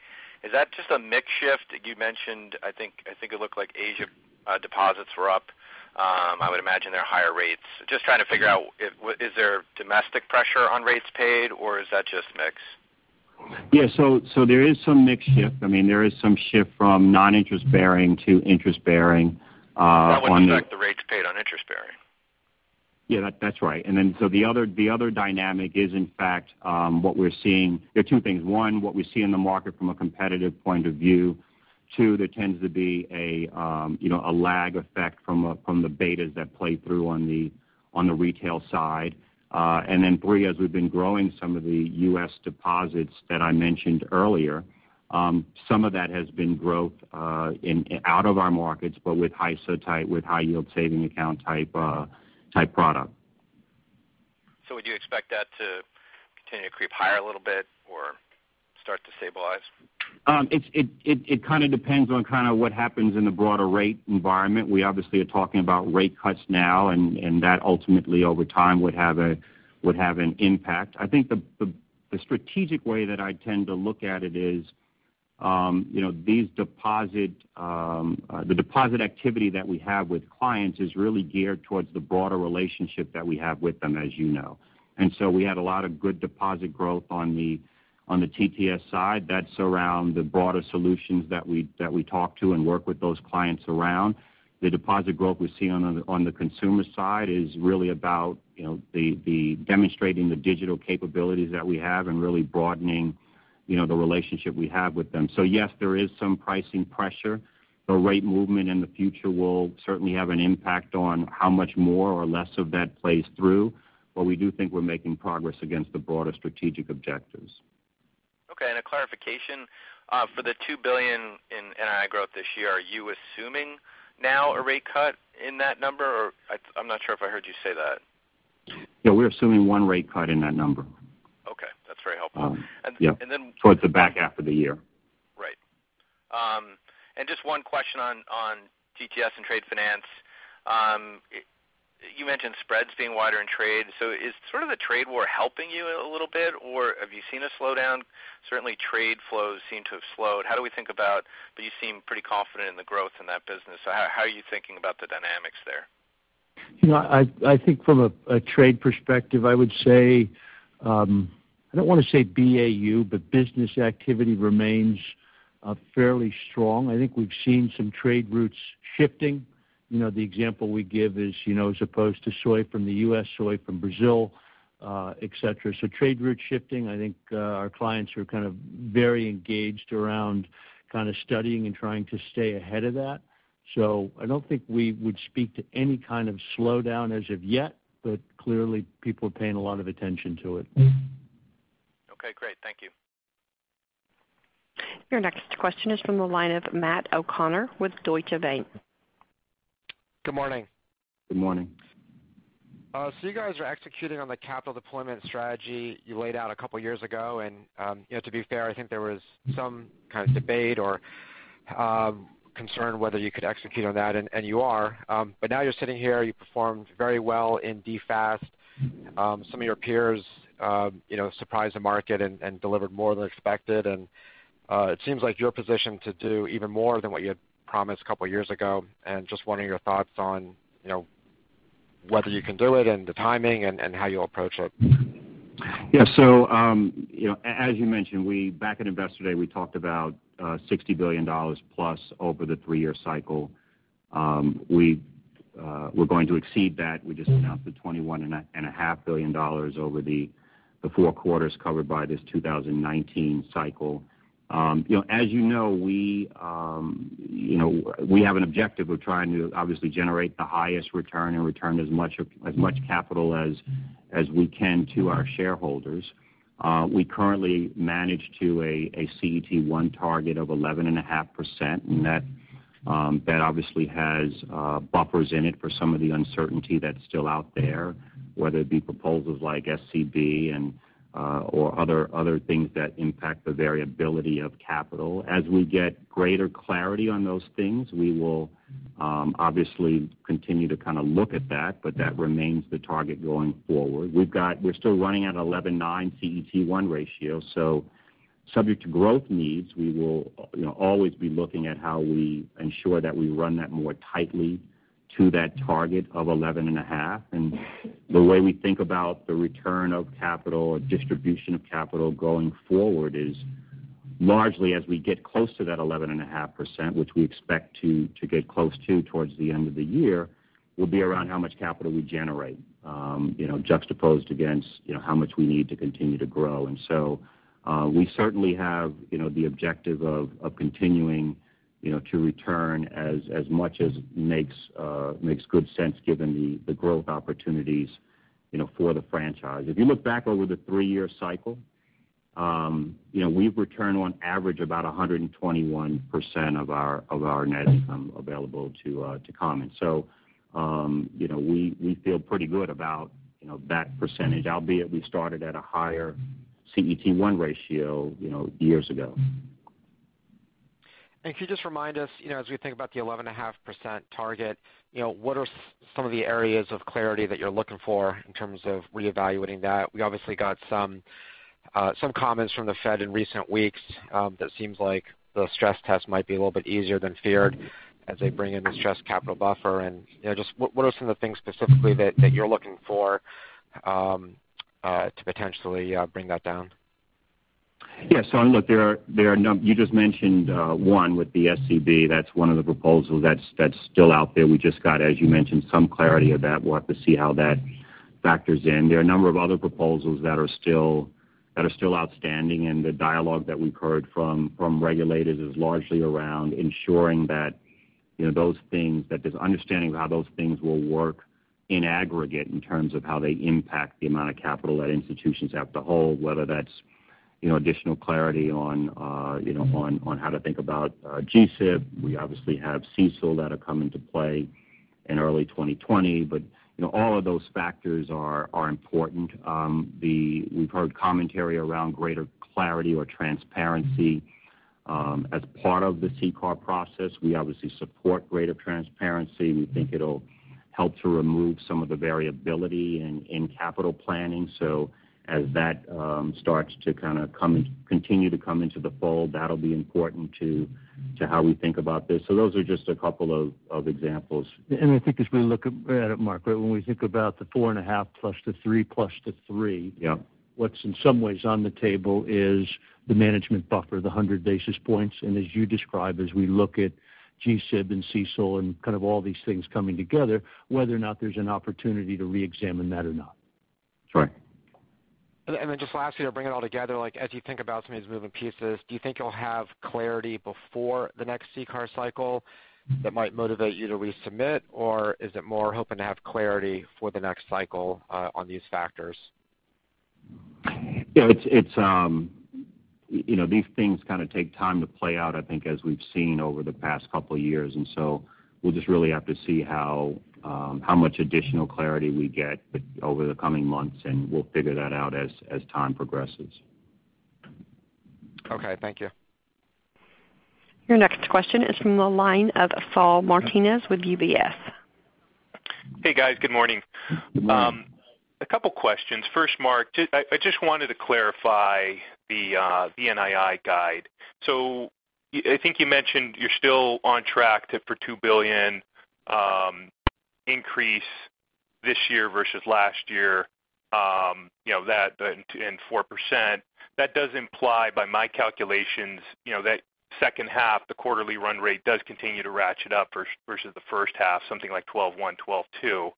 Is that just a mix shift? You mentioned, I think it looked like Asia deposits were up. I would imagine they're higher rates. Just trying to figure out is there domestic pressure on rates paid or is that just mix? there is some mix shift. There is some shift from non-interest bearing to interest bearing. That would affect the rates paid on interest bearing. that's right. The other dynamic is, in fact, what we're seeing. There are two things. One, what we see in the market from a competitive point of view. Two, there tends to be a lag effect from the betas that play through on the retail side. Three, as we've been growing some of the U.S. deposits that I mentioned earlier, some of that has been growth out of our markets, but with high-yield savings account type product. Would you expect that to continue to creep higher a little bit or start to stabilize? It kind of depends on what happens in the broader rate environment. We obviously are talking about rate cuts now, and that ultimately over time would have an impact. I think the strategic way that I tend to look at it is the deposit activity that we have with clients is really geared towards the broader relationship that we have with them, as you know. We had a lot of good deposit growth on the TTS side. That's around the broader solutions that we talk to and work with those clients around. The deposit growth we see on the consumer side is really about demonstrating the digital capabilities that we have and really broadening the relationship we have with them. Yes, there is some pricing pressure. The rate movement in the future will certainly have an impact on how much more or less of that plays through, we do think we're making progress against the broader strategic objectives. Okay, a clarification. For the $2 billion in NII growth this year, are you assuming now a rate cut in that number, or I'm not sure if I heard you say that. Yeah, we're assuming one rate cut in that number. Okay. That's very helpful. Yeah. Then. Towards the back half of the year. Right. Just one question on TTS and trade finance. You mentioned spreads being wider in trade. Is sort of the trade war helping you a little bit, or have you seen a slowdown? Certainly trade flows seem to have slowed. You seem pretty confident in the growth in that business. How are you thinking about the dynamics there? I think from a trade perspective, I would say, I don't want to say BAU, but business activity remains fairly strong. I think we've seen some trade routes shifting. The example we give is as opposed to soy from the U.S., soy from Brazil, et cetera. Trade route shifting. I think our clients are kind of very engaged around kind of studying and trying to stay ahead of that. I don't think we would speak to any kind of slowdown as of yet, but clearly people are paying a lot of attention to it. Okay, great. Thank you. Your next question is from the line of Matt O'Connor with Deutsche Bank. Good morning. Good morning. You guys are executing on the capital deployment strategy you laid out a couple of years ago. To be fair, I think there was some kind of debate or concern whether you could execute on that, and you are. Now you're sitting here, you performed very well in DFAST. Some of your peers surprised the market and delivered more than expected. It seems like you're positioned to do even more than what you had promised a couple of years ago. Just wondering your thoughts on whether you can do it and the timing and how you'll approach it. As you mentioned, back at Investor Day, we talked about $60 billion plus over the three-year cycle. We're going to exceed that. We just announced the $21.5 billion over the four quarters covered by this 2019 cycle. As you know, we have an objective of trying to obviously generate the highest return and return as much capital as we can to our shareholders. We currently manage to a CET1 target of 11.5%, and that obviously has buffers in it for some of the uncertainty that's still out there, whether it be proposals like SCB or other things that impact the variability of capital. As we get greater clarity on those things, we will obviously continue to look at that, but that remains the target going forward. We're still running at 11.9% CET1 ratio. Subject to growth needs, we will always be looking at how we ensure that we run that more tightly to that target of 11.5%. The way we think about the return of capital or distribution of capital going forward is largely as we get close to that 11.5%, which we expect to get close to towards the end of the year, will be around how much capital we generate juxtaposed against how much we need to continue to grow. We certainly have the objective of continuing to return as much as makes good sense given the growth opportunities for the franchise. If you look back over the three-year cycle, we've returned on average about 121% of our net income available to common. We feel pretty good about that percentage, albeit we started at a higher CET1 ratio years ago. Could you just remind us, as we think about the 11.5% target, what are some of the areas of clarity that you're looking for in terms of reevaluating that? We obviously got some comments from the Fed in recent weeks that seems like the stress test might be a little bit easier than feared as they bring in the stress capital buffer. Just what are some of the things specifically that you're looking for to potentially bring that down? Look, you just mentioned one with the SCB. That's one of the proposals that's still out there. We just got, as you mentioned, some clarity of that. We'll have to see how that factors in. There are a number of other proposals that are still outstanding, and the dialogue that we've heard from regulators is largely around ensuring that there's understanding of how those things will work in aggregate in terms of how they impact the amount of capital that institutions have to hold, whether that's additional clarity on how to think about GSIB. We obviously have CECL that'll come into play in early 2020. All of those factors are important. We've heard commentary around greater clarity or transparency as part of the CCAR process. We obviously support greater transparency. We think it'll help to remove some of the variability in capital planning. As that starts to kind of continue to come into the fold, that'll be important to how we think about this. Those are just a couple of examples. I think as we look at it, Mark, when we think about the 4.5%, 3% plus the 3% Yeah. What's in some ways on the table is the management buffer, the 100 basis points. As you describe, as we look at GSIB and CECL and kind of all these things coming together, whether or not there's an opportunity to reexamine that or not. That's right. Just lastly to bring it all together, as you think about some of these moving pieces, do you think you'll have clarity before the next CCAR cycle that might motivate you to resubmit? Or is it more hoping to have clarity for the next cycle on these factors? These things kind of take time to play out, I think, as we've seen over the past couple of years. We'll just really have to see how much additional clarity we get over the coming months, and we'll figure that out as time progresses. Okay. Thank you. Your next question is from the line of Saul Martinez with UBS. Hey, guys. Good morning. A couple questions. First, Mark, I just wanted to clarify the NII guide. I think you mentioned you're still on track for $2 billion increase this year versus last year, and 4%. That does imply by my calculations that second half, the quarterly run rate does continue to ratchet up versus the first half, something like 12.1, 12.2.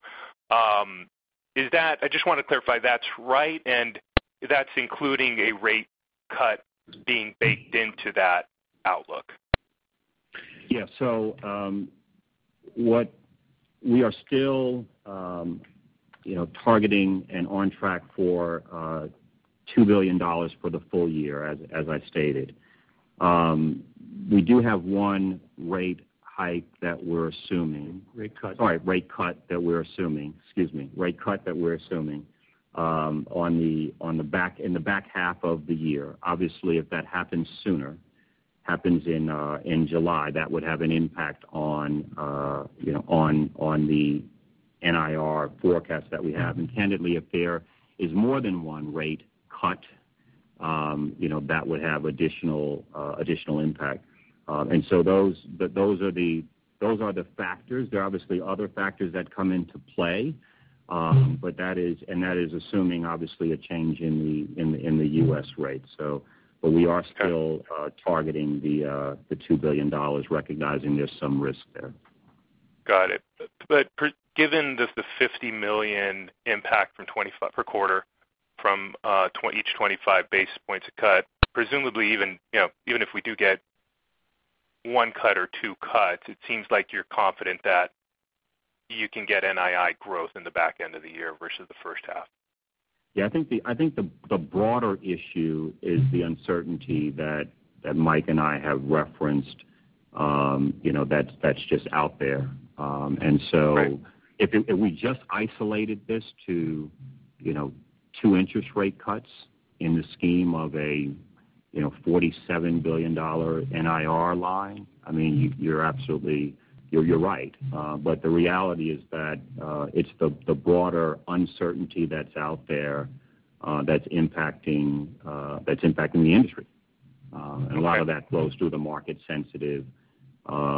I just want to clarify that's right, and that's including a rate cut being baked into that outlook. Yeah. We are still targeting and on track for $2 billion for the full year, as I stated. We do have one rate hike that we're assuming. Rate cut. Sorry, rate cut that we're assuming. Excuse me. Rate cut that we're assuming in the back half of the year. Obviously, if that happens sooner, happens in July, that would have an impact on the NIR forecast that we have. Candidly, if there is more than one rate cut, that would have additional impact. Those are the factors. There are obviously other factors that come into play. That is assuming obviously a change in the U.S. rate. We are still targeting the $2 billion, recognizing there's some risk there. Got it. Given the $50 million impact per quarter from each 25 basis points of cut, presumably even if we do get one cut or two cuts, it seems like you're confident that you can get NII growth in the back end of the year versus the first half. Yeah. I think the broader issue is the uncertainty that Mike and I have referenced that's just out there. Right. if we just isolated this to two interest rate cuts in the scheme of a $47 billion NIR line, you're right. The reality is that it's the broader uncertainty that's out there that's impacting the industry. A lot of that flows through the market sensitive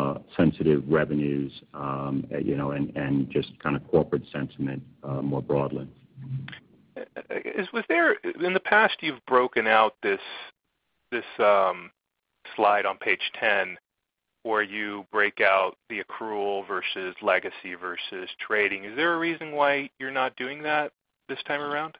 revenues, and just kind of corporate sentiment more broadly. In the past, you've broken out this slide on page 10, where you break out the accrual versus legacy versus trading. Is there a reason why you're not doing that this time around?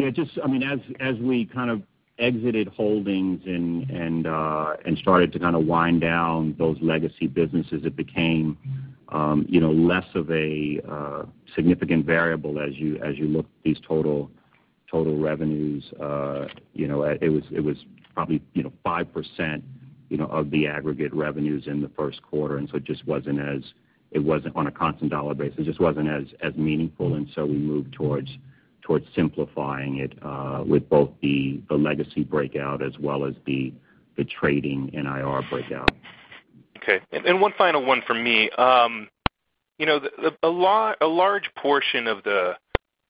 As we kind of exited holdings and started to kind of wind down those legacy businesses, it became less of a significant variable as you look at these total revenues. It was probably 5% of the aggregate revenues in the first quarter, on a constant dollar basis, it just wasn't as meaningful, we moved towards simplifying it with both the legacy breakout as well as the trading NIR breakout. One final one from me. A large portion of the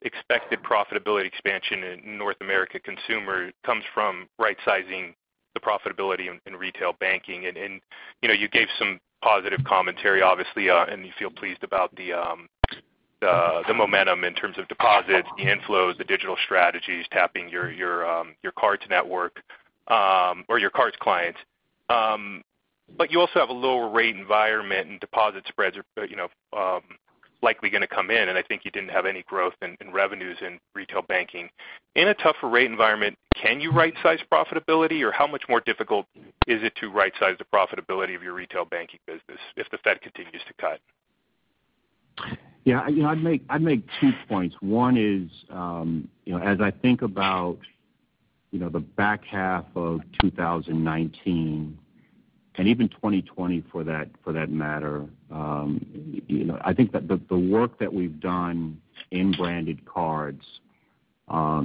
expected profitability expansion in North America Consumer comes from rightsizing the profitability in retail banking. You gave some positive commentary, obviously, and you feel pleased about the momentum in terms of deposits, the inflows, the digital strategies, tapping your cards network, or your cards clients. You also have a lower rate environment and deposit spreads are likely going to come in, I think you didn't have any growth in revenues in retail banking. In a tougher rate environment, can you rightsize profitability, or how much more difficult is it to rightsize the profitability of your retail banking business if the Fed continues to cut? Yeah. I'd make two points. One is, as I think about the back half of 2019 and even 2020 for that matter, I think that the work that we've done in branded cards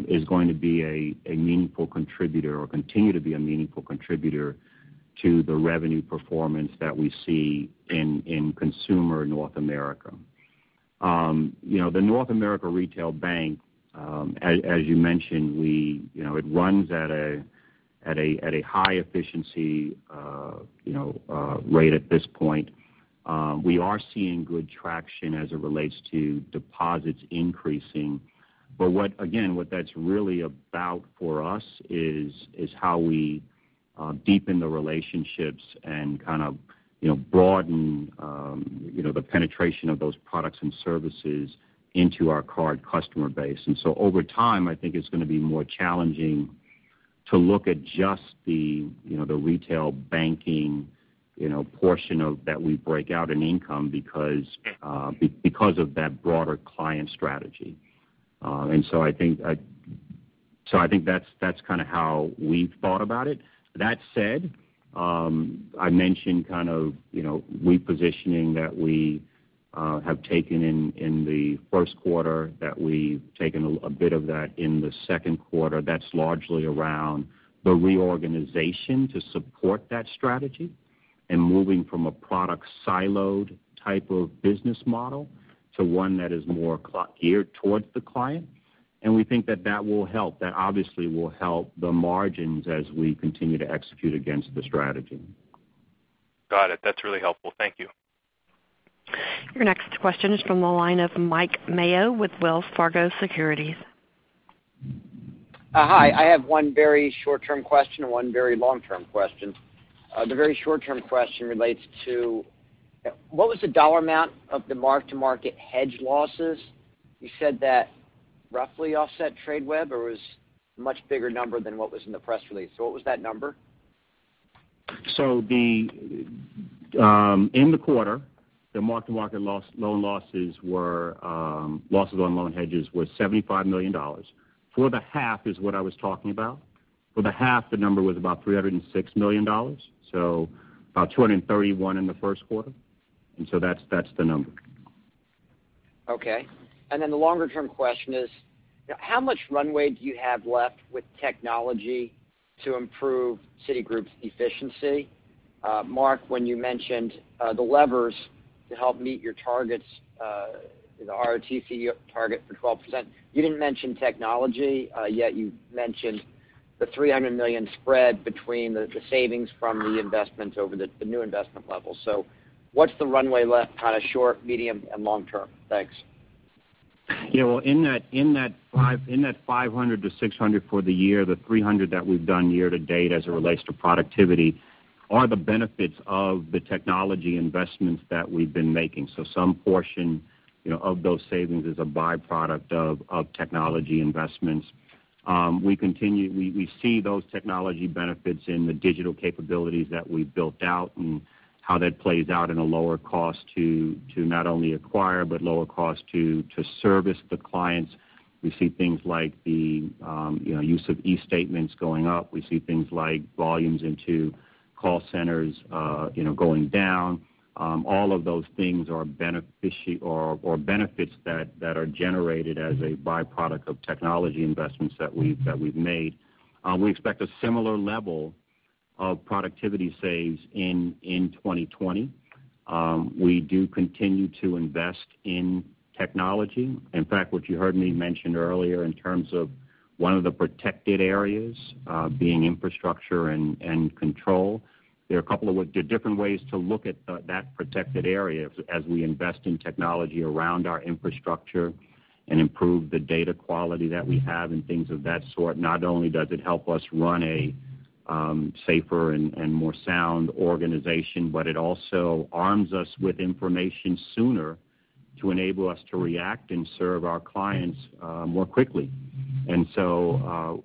is going to be a meaningful contributor or continue to be a meaningful contributor to the revenue performance that we see in Consumer North America. The North America Retail Bank, as you mentioned, it runs at a high efficiency rate at this point. We are seeing good traction as it relates to deposits increasing. Again, what that's really about for us is how we deepen the relationships and kind of broaden the penetration of those products and services into our card customer base. Over time, I think it's going to be more challenging to look at just the retail banking portion that we break out in income because of that broader client strategy. I think that's kind of how we've thought about it. That said, I mentioned kind of repositioning that we have taken in the first quarter, that we've taken a bit of that in the second quarter. That's largely around the reorganization to support that strategy and moving from a product siloed type of business model to one that is more geared towards the client, and we think that that will help. That obviously will help the margins as we continue to execute against the strategy. Got it. That's really helpful. Thank you. Your next question is from the line of Mike Mayo with Wells Fargo Securities. Hi. I have one very short-term question and one very long-term question. The very short-term question relates to, what was the dollar amount of the mark-to-market hedge losses? You said that roughly offset Tradeweb, it was a much bigger number than what was in the press release. What was that number? In the quarter, the mark-to-market loan losses were losses on loan hedges were $75 million. For the half is what I was talking about. For the half, the number was about $306 million, about $231 million in the first quarter, that's the number. Okay. The longer-term question is, how much runway do you have left with technology to improve Citigroup's efficiency? Mark, when you mentioned the levers to help meet your targets, the ROTCE target for 12%, you didn't mention technology, yet you mentioned the $300 million spread between the savings from the investments over the new investment level. What's the runway left kind of short, medium, and long term? Thanks. Yeah. Well, in that $500 million to $600 million for the year, the $300 million that we've done year-to-date as it relates to productivity are the benefits of the technology investments that we've been making. Some portion of those savings is a byproduct of technology investments. We see those technology benefits in the digital capabilities that we've built out and how that plays out in a lower cost to not only acquire, but lower cost to service the clients. We see things like the use of e-statements going up. We see things like volumes into call centers going down. All of those things are benefits that are generated as a byproduct of technology investments that we've made. We expect a similar level of productivity saves in 2020. We do continue to invest in technology. In fact, what you heard me mention earlier in terms of one of the protected areas being infrastructure and control. There are a couple of different ways to look at that protected area as we invest in technology around our infrastructure and improve the data quality that we have and things of that sort. Not only does it help us run a safer and more sound organization, but it also arms us with information sooner to enable us to react and serve our clients more quickly.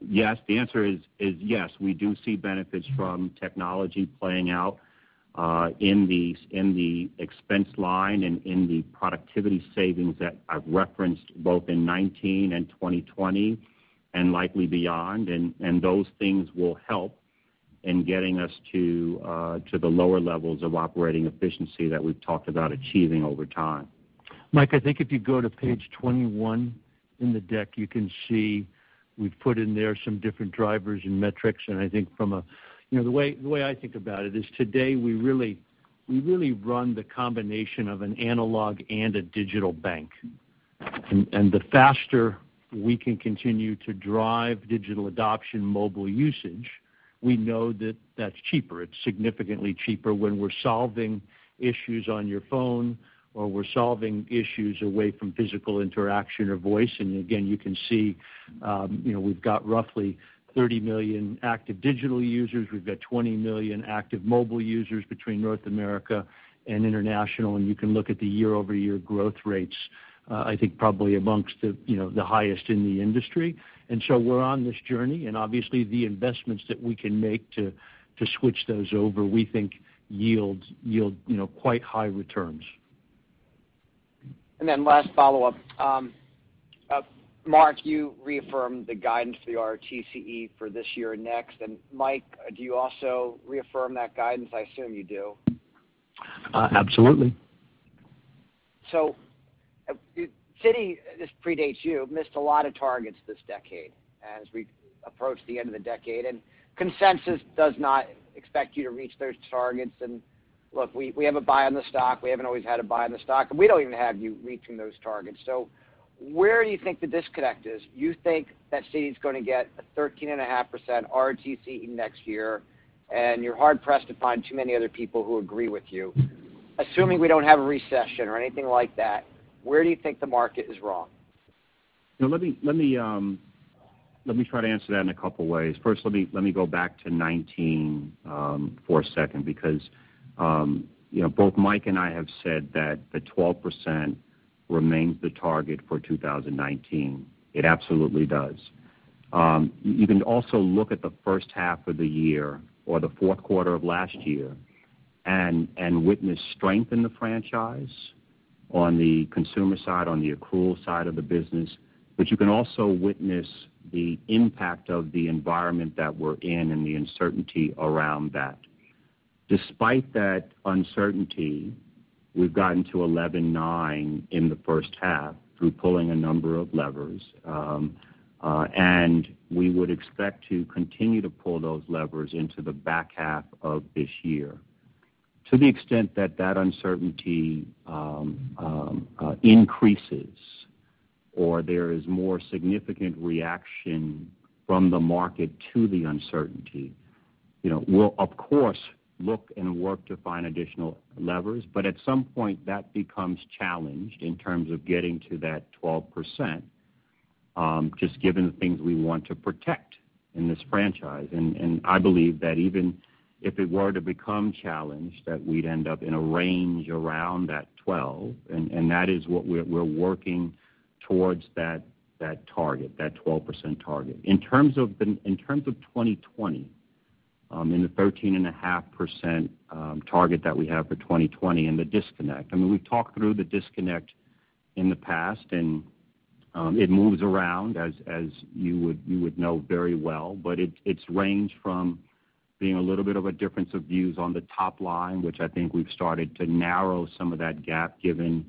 Yes. The answer is yes, we do see benefits from technology playing out in the expense line and in the productivity savings that I've referenced both in 2019 and 2020, and likely beyond. Those things will help in getting us to the lower levels of operating efficiency that we've talked about achieving over time. Mike, I think if you go to page 21 in the deck, you can see we've put in there some different drivers and metrics. The way I think about it is today, we really run the combination of an analog and a digital bank. The faster we can continue to drive digital adoption mobile usage, we know that's cheaper. It's significantly cheaper when we're solving issues on your phone, or we're solving issues away from physical interaction or voice. You can see, we've got roughly 30 million active digital users. We've got 20 million active mobile users between North America and International. You can look at the year-over-year growth rates, I think, probably amongst the highest in the industry. We're on this journey, and obviously the investments that we can make to switch those over, we think yield quite high returns. Last follow-up. Mark, you reaffirmed the guidance for the ROTCE for this year and next. Mike, do you also reaffirm that guidance? I assume you do. Absolutely. Citi, this predates you, missed a lot of targets this decade as we approach the end of the decade, and consensus does not expect you to reach those targets. Look, we have a buy on the stock. We haven't always had a buy on the stock, and we don't even have you reaching those targets. Where do you think the disconnect is? You think that Citi's going to get a 13.5% ROTCE next year, and you're hard-pressed to find too many other people who agree with you. Assuming we don't have a recession or anything like that, where do you think the market is wrong? Let me try to answer that in a couple ways. First, let me go back to 2019 for a second because both Mike and I have said that the 12% remains the target for 2019. It absolutely does. You can also look at the first half of the year or the fourth quarter of last year and witness strength in the franchise on the consumer side, on the accrual side of the business. You can also witness the impact of the environment that we're in and the uncertainty around that. Despite that uncertainty, we've gotten to 11.9% in the first half through pulling a number of levers. We would expect to continue to pull those levers into the back half of this year. To the extent that that uncertainty increases, or there is more significant reaction from the market to the uncertainty, we'll of course, look and work to find additional levers. At some point, that becomes challenged in terms of getting to that 12%, just given the things we want to protect in this franchise. I believe that even if it were to become challenged, that we'd end up in a range around that 12%, and that is what we're working towards that target, that 12% target. In terms of the 2020, in the 13.5% target that we have for 2020, and the disconnect. We've talked through the disconnect in the past, and it moves around, as you would know very well. It's ranged from being a little bit of a difference of views on the top line, which I think we've started to narrow some of that gap given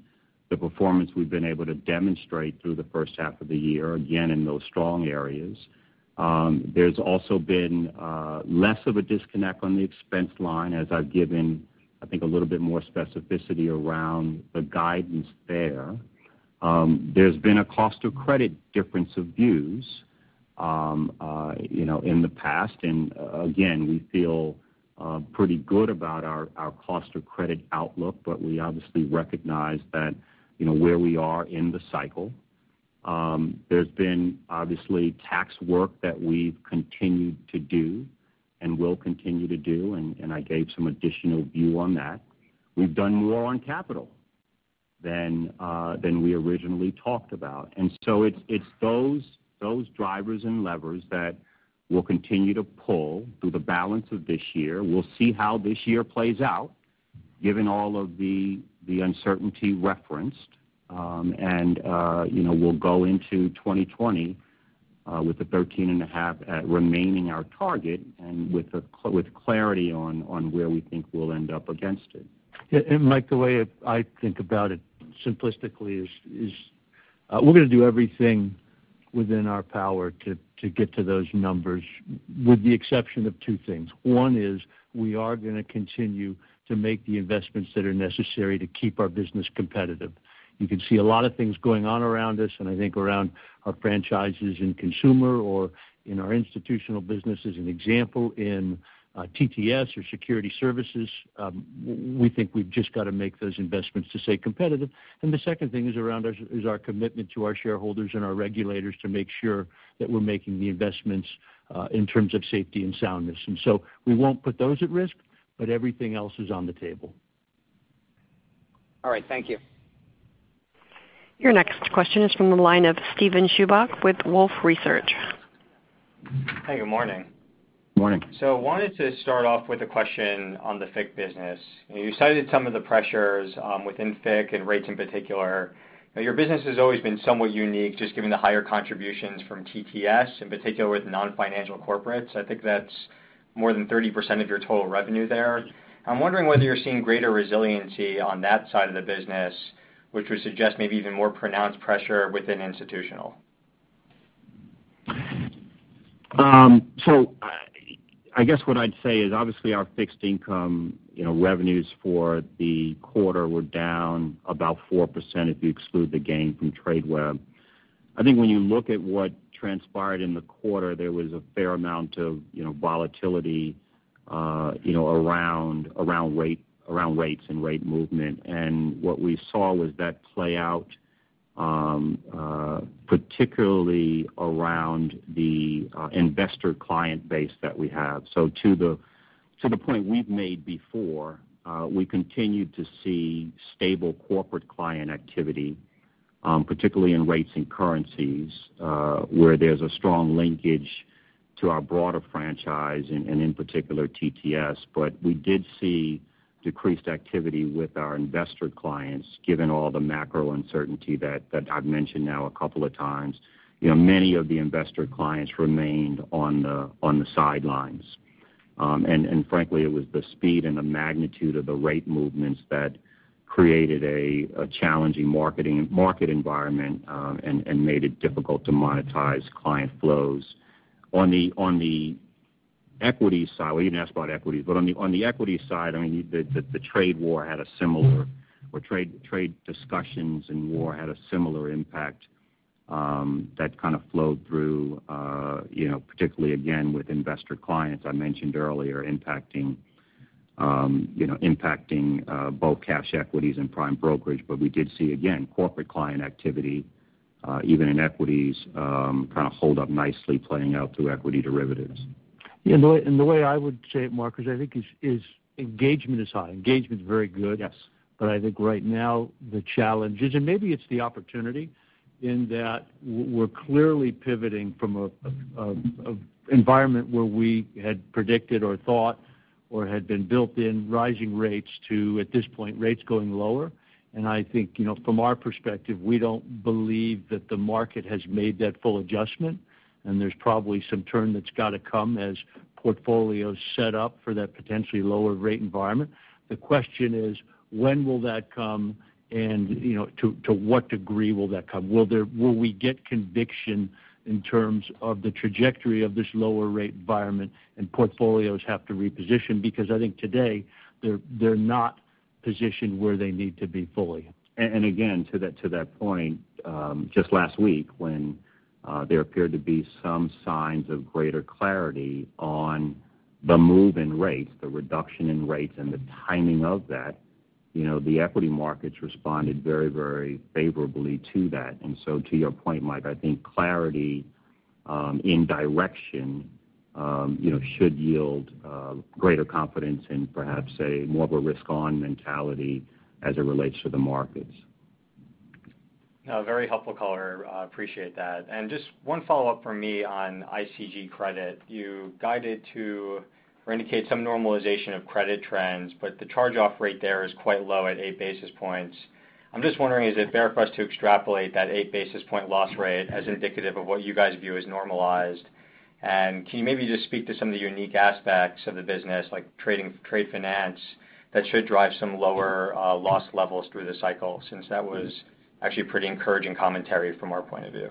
the performance we've been able to demonstrate through the first half of the year, again, in those strong areas. There's also been less of a disconnect on the expense line as I've given, I think, a little bit more specificity around the guidance there. There's been a cost of credit difference of views in the past, and again, we feel pretty good about our cost of credit outlook, but we obviously recognize that where we are in the cycle. There's been, obviously, tax work that we've continued to do and will continue to do, and I gave some additional view on that. We've done more on capital than we originally talked about. It's those drivers and levers that we'll continue to pull through the balance of this year. We'll see how this year plays out, given all of the uncertainty referenced. We'll go into 2020 with the 13.5% remaining our target and with clarity on where we think we'll end up against it. Yeah. Mike, the way I think about it simplistically is. We're going to do everything within our power to get to those numbers with the exception of two things. One is we are going to continue to make the investments that are necessary to keep our business competitive. You can see a lot of things going on around us, and I think around our franchises in consumer or in our institutional business as an example, in TTS or security services. We think we've just got to make those investments to stay competitive. The second thing is around our commitment to our shareholders and our regulators to make sure that we're making the investments in terms of safety and soundness. We won't put those at risk, but everything else is on the table. All right. Thank you. Your next question is from the line of Steven Chubak with Wolfe Research. Hey, good morning. Good morning. I wanted to start off with a question on the FIC business. You cited some of the pressures within FIC and rates in particular. Your business has always been somewhat unique, just given the higher contributions from TTS, in particular with non-financial corporates. I think that's more than 30% of your total revenue there. I'm wondering whether you're seeing greater resiliency on that side of the business, which would suggest maybe even more pronounced pressure within institutional. I guess what I'd say is obviously our fixed income revenues for the quarter were down about 4% if you exclude the gain from Tradeweb. I think when you look at what transpired in the quarter, there was a fair amount of volatility around rates and rate movement. What we saw was that play out particularly around the investor client base that we have. To the point we've made before, we continue to see stable corporate client activity, particularly in rates and currencies, where there's a strong linkage to our broader franchise and in particular TTS. We did see decreased activity with our investor clients, given all the macro uncertainty that I've mentioned now a couple of times. Many of the investor clients remained on the sidelines. Frankly, it was the speed and the magnitude of the rate movements that created a challenging market environment, and made it difficult to monetize client flows. On the equity side, well you didn't ask about equities, but on the equity side, the trade war had a similar, or trade discussions and war had a similar impact that kind of flowed through, particularly again with investor clients I mentioned earlier impacting both cash equities and prime brokerage. We did see, again, corporate client activity, even in equities, kind of hold up nicely playing out through equity derivatives. The way I would say it, MarK, I think is engagement is high. Engagement's very good. Yes. I think right now the challenge is, and maybe it's the opportunity in that we're clearly pivoting from an environment where we had predicted or thought or had been built in rising rates to, at this point, rates going lower. I think from our perspective, we don't believe that the market has made that full adjustment, and there's probably some turn that's got to come as portfolios set up for that potentially lower rate environment. The question is, when will that come and to what degree will that come? Will we get conviction in terms of the trajectory of this lower rate environment and portfolios have to reposition? Because I think today they're not positioned where they need to be fully. Again, to that point, just last week when there appeared to be some signs of greater clarity on the move in rates, the reduction in rates, and the timing of that, the equity markets responded very favorably to that. To your point, Mike, I think clarity in direction should yield greater confidence in perhaps a more of a risk-on mentality as it relates to the markets. Very helpful color. Appreciate that. Just one follow-up from me on ICG credit. You guided to or indicate some normalization of credit trends, but the charge-off rate there is quite low at eight basis points. I'm just wondering, is it fair for us to extrapolate that eight basis point loss rate as indicative of what you guys view as normalized? Can you maybe just speak to some of the unique aspects of the business, like trade finance, that should drive some lower loss levels through the cycle, since that was actually a pretty encouraging commentary from our point of view?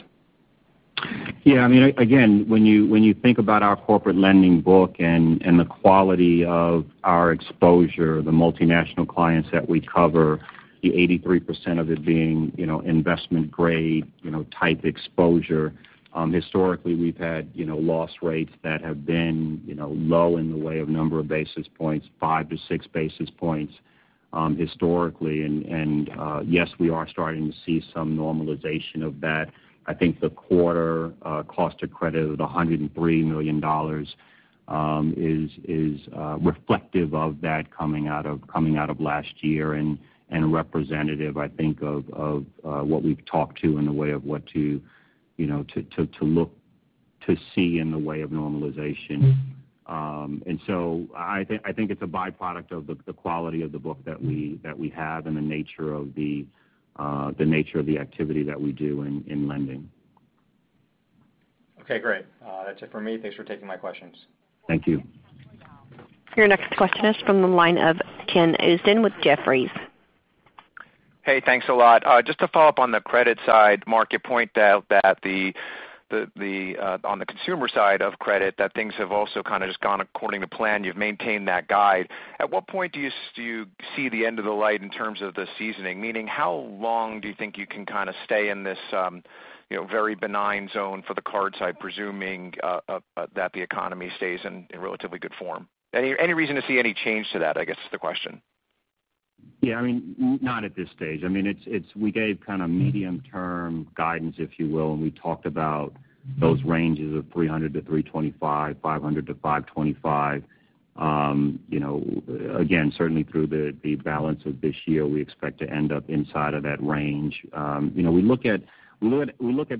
Again, when you think about our corporate lending book and the quality of our exposure, the multinational clients that we cover, the 83% of it being investment-grade type exposure. Historically, we've had loss rates that have been low in the way of number of basis points, 5 to 6 basis points, historically. Yes, we are starting to see some normalization of that. I think the quarter cost of credit at $103 million is reflective of that coming out of last year and representative, I think of what we've talked to in the way of what to look to see in the way of normalization. I think it's a byproduct of the quality of the book that we have and the nature of the activity that we do in lending. Okay, great. That's it for me. Thanks for taking my questions. Thank you. Your next question is from the line of Ken Usdin with Jefferies. Hey, thanks a lot. Just to follow up on the credit side, Mark, you point out that on the consumer side of credit, that things have also kind of just gone according to plan. You've maintained that guide. At what point do you see the end of the light in terms of the seasoning? Meaning, how long do you think you can kind of stay in this very benign zone for the card side, presuming that the economy stays in relatively good form? Any reason to see any change to that, I guess, is the question. Yeah. Not at this stage. We gave kind of medium-term guidance, if you will, and we talked about those ranges of 300-325, 500-525. Again, certainly through the balance of this year, we expect to end up inside of that range. We look at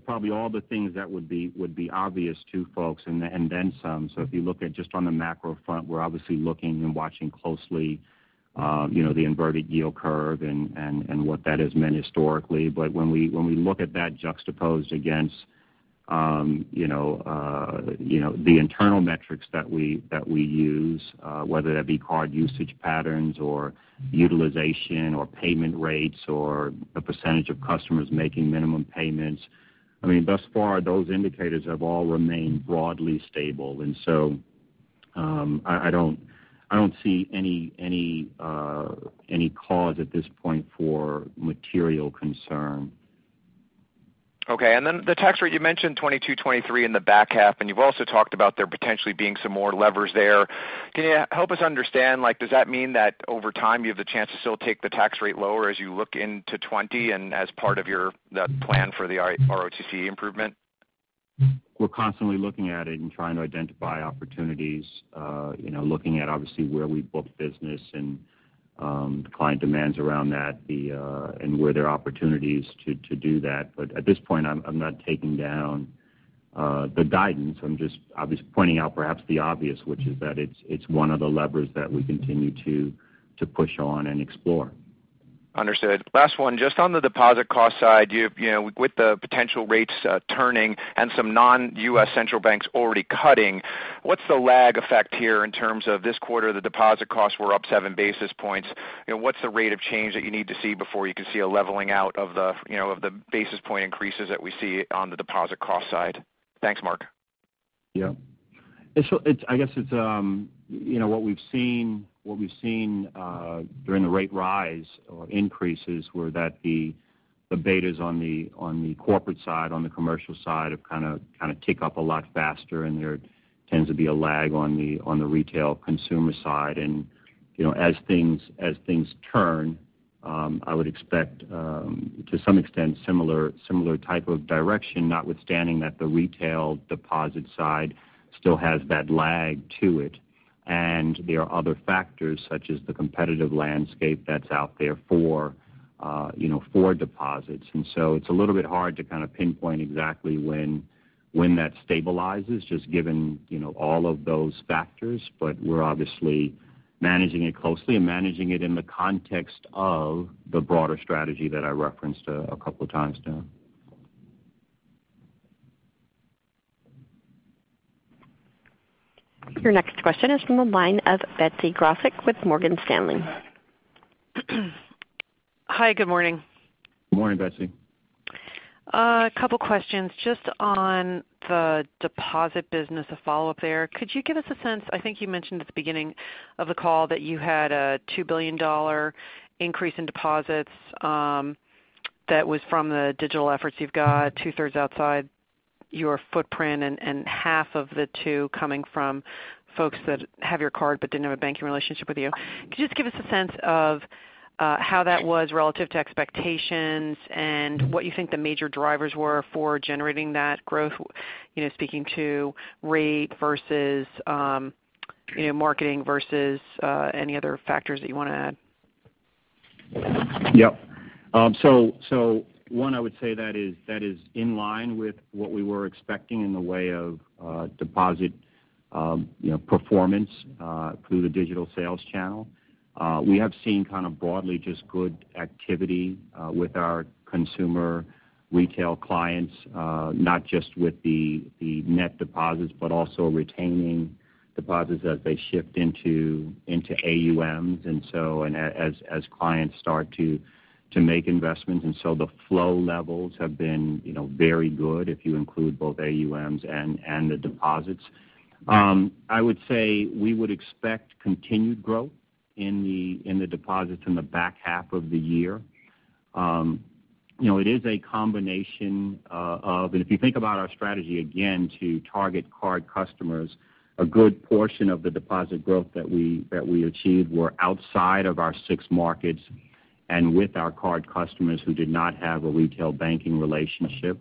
probably all the things that would be obvious to folks, and then some. If you look at just on the macro front, we're obviously looking and watching closely the inverted yield curve and what that has meant historically. When we look at that juxtaposed against the internal metrics that we use whether that be card usage patterns or utilization or payment rates or the percentage of customers making minimum payments, thus far, those indicators have all remained broadly stable. I don't see any cause at this point for material concern. Okay. The tax rate, you mentioned 22%, 23% in the back half, and you've also talked about there potentially being some more levers there. Can you help us understand, does that mean that over time you have the chance to still take the tax rate lower as you look into 2020 and as part of the plan for the ROTCE improvement? We're constantly looking at it and trying to identify opportunities, looking at obviously where we book business and the client demands around that, and where there are opportunities to do that. At this point, I'm not taking down the guidance. I'm just obviously pointing out perhaps the obvious, which is that it's one of the levers that we continue to push on and explore. Understood. Last one. Just on the deposit cost side, with the potential rates turning and some non-U.S. central banks already cutting, what's the lag effect here in terms of this quarter, the deposit costs were up seven basis points. What's the rate of change that you need to see before you can see a leveling out of the basis point increases that we see on the deposit cost side? Thanks, Mark. Yeah. I guess what we've seen during the rate rise or increases were that the betas on the corporate side, on the commercial side have kind of tick up a lot faster, and there tends to be a lag on the retail consumer side. As things turn, I would expect to some extent similar type of direction, notwithstanding that the retail deposit side still has that lag to it. There are other factors such as the competitive landscape that's out there for deposits. It's a little bit hard to kind of pinpoint exactly when that stabilizes, just given all of those factors. We're obviously managing it closely and managing it in the context of the broader strategy that I referenced a couple of times now. Your next question is from the line of Betsy Graseck with Morgan Stanley. Hi, good morning. Good morning, Betsy. A couple of questions. Just on the deposit business, a follow-up there. Could you give us a sense, I think you mentioned at the beginning of the call that you had a $2 billion increase in deposits that was from the digital efforts you've got, two-thirds outside your footprint, and half of the two coming from folks that have your card but didn't have a banking relationship with you. Could you just give us a sense of how that was relative to expectations and what you think the major drivers were for generating that growth, speaking to rate versus marketing versus any other factors that you want to add? Yep. One, I would say that is in line with what we were expecting in the way of deposit performance through the digital sales channel. We have seen kind of broadly just good activity with our consumer retail clients, not just with the net deposits, but also retaining deposits as they shift into AUMs, as clients start to make investments. The flow levels have been very good if you include both AUMs and the deposits. I would say we would expect continued growth in the deposits in the back half of the year. It is a combination of. If you think about our strategy again to target card customers, a good portion of the deposit growth that we achieved were outside of our six markets and with our card customers who did not have a retail banking relationship.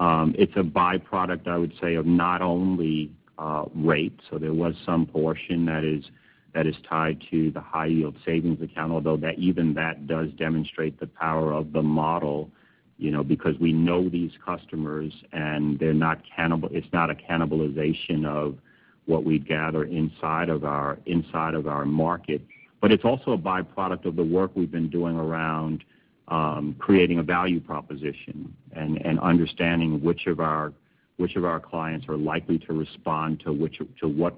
It's a byproduct, I would say, of not only rates. There was some portion that is tied to the high-yield savings account, although even that does demonstrate the power of the model because we know these customers, and it's not a cannibalization of what we gather inside of our market. But it's also a byproduct of the work we've been doing around creating a value proposition and understanding which of our clients are likely to respond to what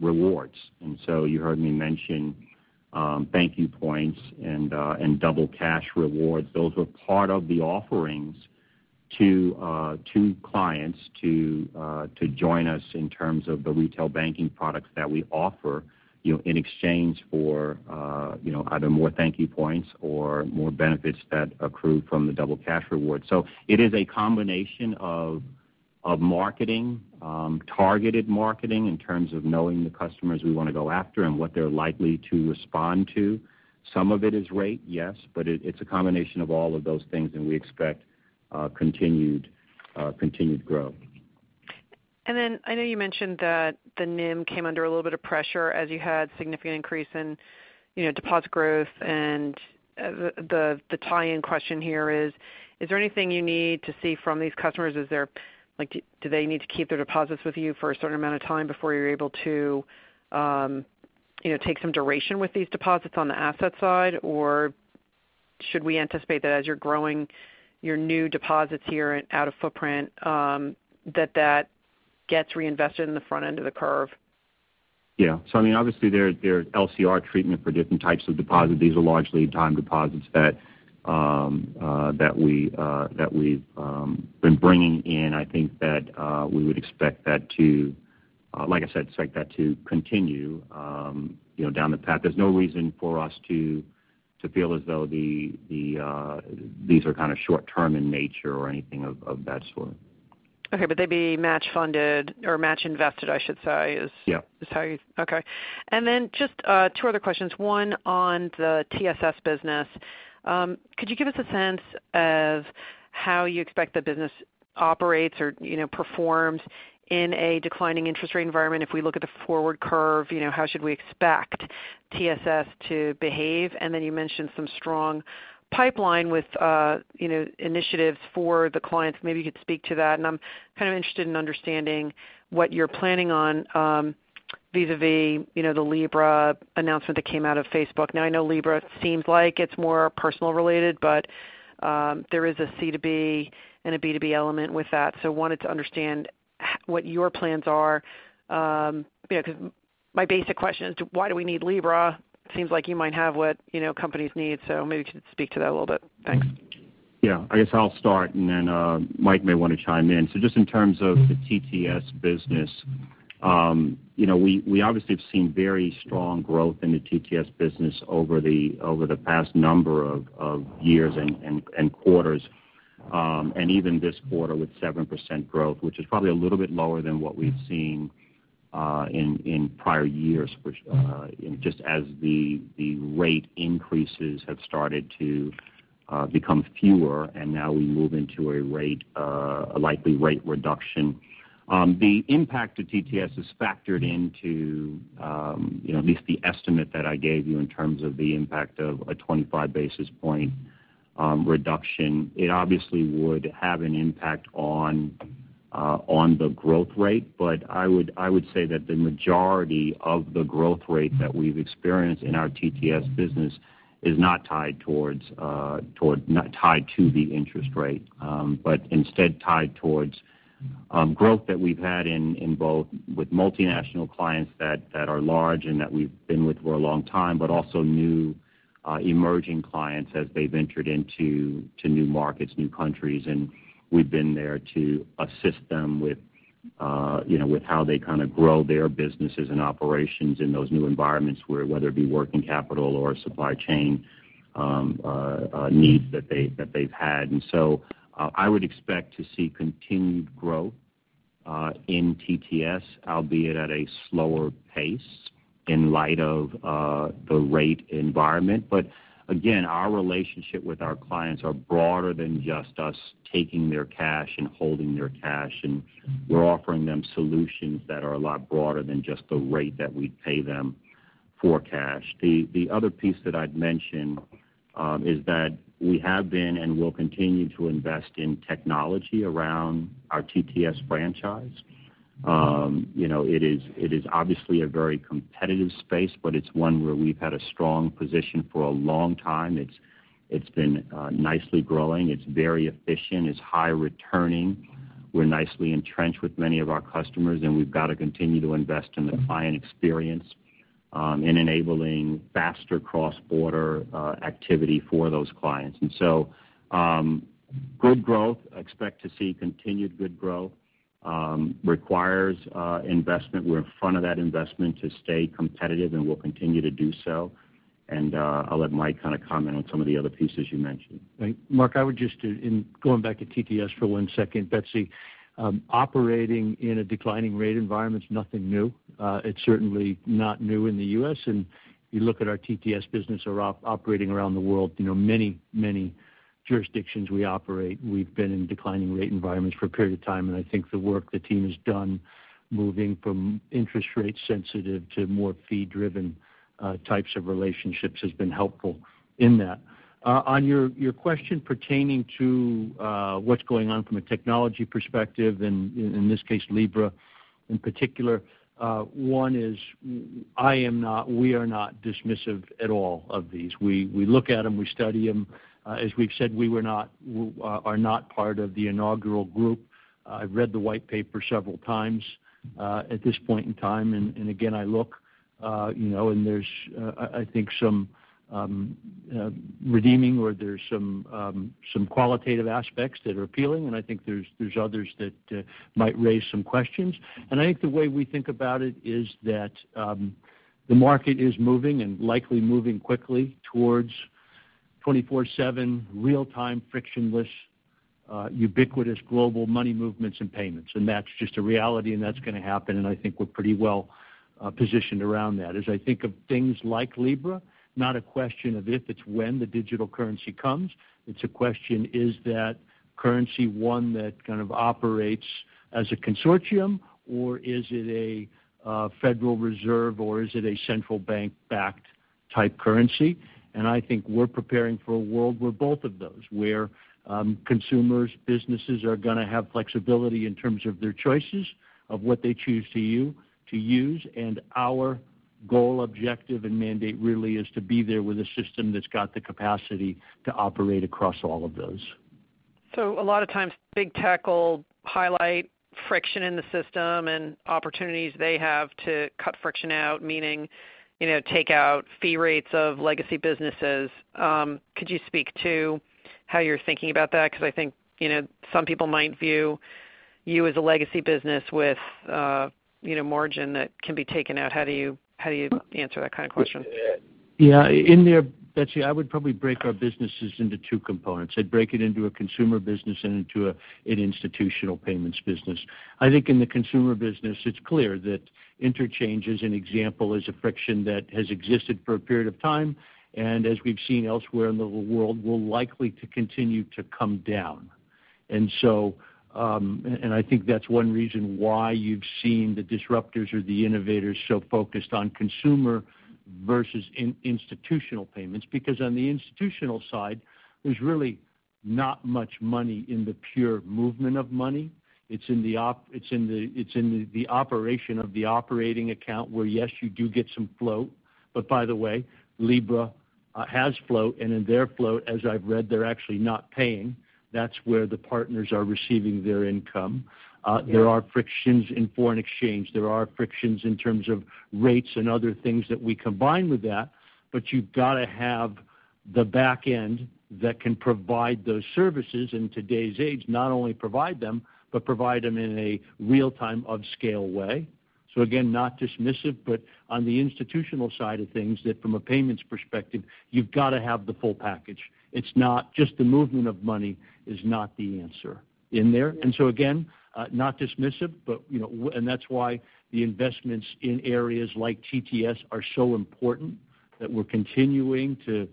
rewards. You heard me mention ThankYou points and Double Cash rewards. Those were part of the offerings to clients to join us in terms of the retail banking products that we offer in exchange for either more ThankYou points or more benefits that accrue from the Double Cash rewards. It is a combination of marketing, targeted marketing in terms of knowing the customers we want to go after and what they're likely to respond to. Some of it is rate, yes, but it's a combination of all of those things, and we expect continued growth. I know you mentioned that the NIM came under a little bit of pressure as you had significant increase in deposit growth. The tie-in question here is: Is there anything you need to see from these customers? Do they need to keep their deposits with you for a certain amount of time before you're able to take some duration with these deposits on the asset side? Should we anticipate that as you're growing your new deposits here out of footprint that gets reinvested in the front end of the curve? Yeah. I mean, obviously there is LCR treatment for different types of deposits. These are largely time deposits that we've been bringing in. I think that we would expect that to, like I said, expect that to continue down the path. There's no reason for us to feel as though these are kind of short term in nature or anything of that sort. Okay. They'd be match funded or match invested, I should say. Yeah is how you. Okay. Just two other questions, one on the TTS business. Could you give us a sense of how you expect the business operates or performs in a declining interest rate environment? If we look at the forward curve, how should we expect TTS to behave? You mentioned some strong pipeline with initiatives for the clients. Maybe you could speak to that. I'm kind of interested in understanding what you're planning on vis-à-vis the Libra announcement that came out of Facebook. I know Libra seems like it's more personal related, but there is a C2B and a B2B element with that. Wanted to understand what your plans are because my basic question is: Why do we need Libra? It seems like you might have what companies need. Maybe you could speak to that a little bit. Thanks. Yeah. I guess I'll start, and Mike may want to chime in. Just in terms of the TTS business. We obviously have seen very strong growth in the TTS business over the past number of years and quarters. Even this quarter with 7% growth, which is probably a little bit lower than what we've seen in prior years just as the rate increases have started to become fewer, and now we move into a likely rate reduction. The impact to TTS is factored into at least the estimate that I gave you in terms of the impact of a 25 basis point reduction. It obviously would have an impact on the growth rate. I would say that the majority of the growth rate that we've experienced in our TTS business is not tied to the interest rate but instead tied towards growth that we've had in both with multinational clients that are large and that we've been with for a long time, but also new emerging clients as they've entered into new markets, new countries, and we've been there to assist them with how they kind of grow their businesses and operations in those new environments, whether it be working capital or supply chain needs that they've had. I would expect to see continued growth in TTS, albeit at a slower pace in light of the rate environment. Again, our relationship with our clients are broader than just us taking their cash and holding their cash, and we're offering them solutions that are a lot broader than just the rate that we pay them for cash. The other piece that I'd mention is that we have been and will continue to invest in technology around our TTS franchise. It is obviously a very competitive space, but it's one where we've had a strong position for a long time. It's been nicely growing. It's very efficient. It's high returning. We're nicely entrenched with many of our customers, and we've got to continue to invest in the client experience in enabling faster cross-border activity for those clients. Good growth. Expect to see continued good growth. Requires investment. We're in front of that investment to stay competitive, and we'll continue to do so. I'll let Mike kind of comment on some of the other pieces you mentioned. Mark, I would just in going back to TTS for one second, Betsy. Operating in a declining rate environment is nothing new. It's certainly not new in the U.S., and you look at our TTS business operating around the world, many jurisdictions we operate, we've been in declining rate environments for a period of time. I think the work the team has done moving from interest rate sensitive to more fee-driven types of relationships has been helpful in that. On your question pertaining to what's going on from a technology perspective and in this case, Libra in particular. One, we are not dismissive at all of these. We look at them, we study them. As we've said, we are not part of the inaugural group. I've read the white paper several times at this point in time. Again, I look, and there's, I think some redeeming or there's some qualitative aspects that are appealing, and I think there's others that might raise some questions. I think the way we think about it is that the market is moving, and likely moving quickly towards 24/7 real-time, frictionless, ubiquitous global money movements and payments. That's just a reality, and that's going to happen. I think we're pretty well-positioned around that. As I think of things like Libra, not a question of if, it's when the digital currency comes. It's a question, is that currency one that kind of operates as a consortium, or is it a Federal Reserve, or is it a central bank-backed type currency? I think we're preparing for a world where both of those. Where consumers, businesses are going to have flexibility in terms of their choices of what they choose to use. Our goal, objective, and mandate really is to be there with a system that's got the capacity to operate across all of those. A lot of times Big Tech will highlight friction in the system and opportunities they have to cut friction out, meaning take out fee rates of legacy businesses. Could you speak to how you're thinking about that? Because I think some people might view you as a legacy business with margin that can be taken out. How do you answer that kind of question? In there, Betsy, I would probably break our businesses into two components. I'd break it into a consumer business and into an institutional payments business. I think in the consumer business, it's clear that interchange, as an example, is a friction that has existed for a period of time. As we've seen elsewhere in the world, will likely to continue to come down. I think that's one reason why you've seen the disruptors or the innovators so focused on consumer versus institutional payments because on the institutional side, there's really not much money in the pure movement of money. It's in the operation of the operating account where, yes, you do get some float. By the way, Libra has float, and in their float, as I've read, they're actually not paying. That's where the partners are receiving their income. Yeah. There are frictions in foreign exchange. There are frictions in terms of rates and other things that we combine with that. You've got to have the back end that can provide those services in today's age, not only provide them, but provide them in a real-time of scale way. Again, not dismissive, but on the institutional side of things that from a payments perspective, you've got to have the full package. Just the movement of money is not the answer in there. Again, not dismissive, and that's why the investments in areas like TTS are so important that we're continuing to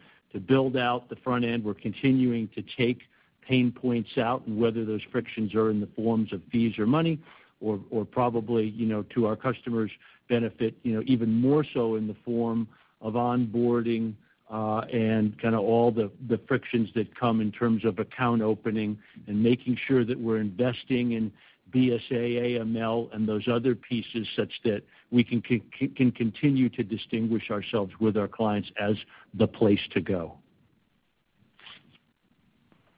build out the front end. We're continuing to take pain points out, whether those frictions are in the forms of fees or money or probably to our customers' benefit even more so in the form of onboarding, and kind of all the frictions that come in terms of account opening and making sure that we're investing in BSA, AML, and those other pieces such that we can continue to distinguish ourselves with our clients as the place to go.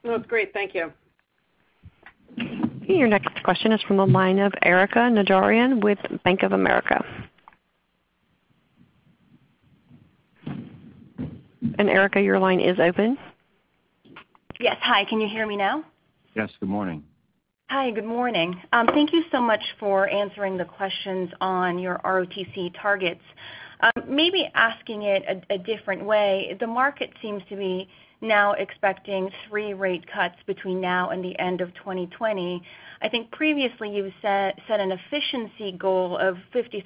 That's great. Thank you. Your next question is from the line of Erika Najarian with Bank of America. Erika, your line is open. Yes. Hi, can you hear me now? Yes. Good morning. Hi, good morning. Thank you so much for answering the questions on your ROTCE targets. Maybe asking it a different way. The market seems to be now expecting three rate cuts between now and the end of 2020. I think previously you've set an efficiency goal of 53%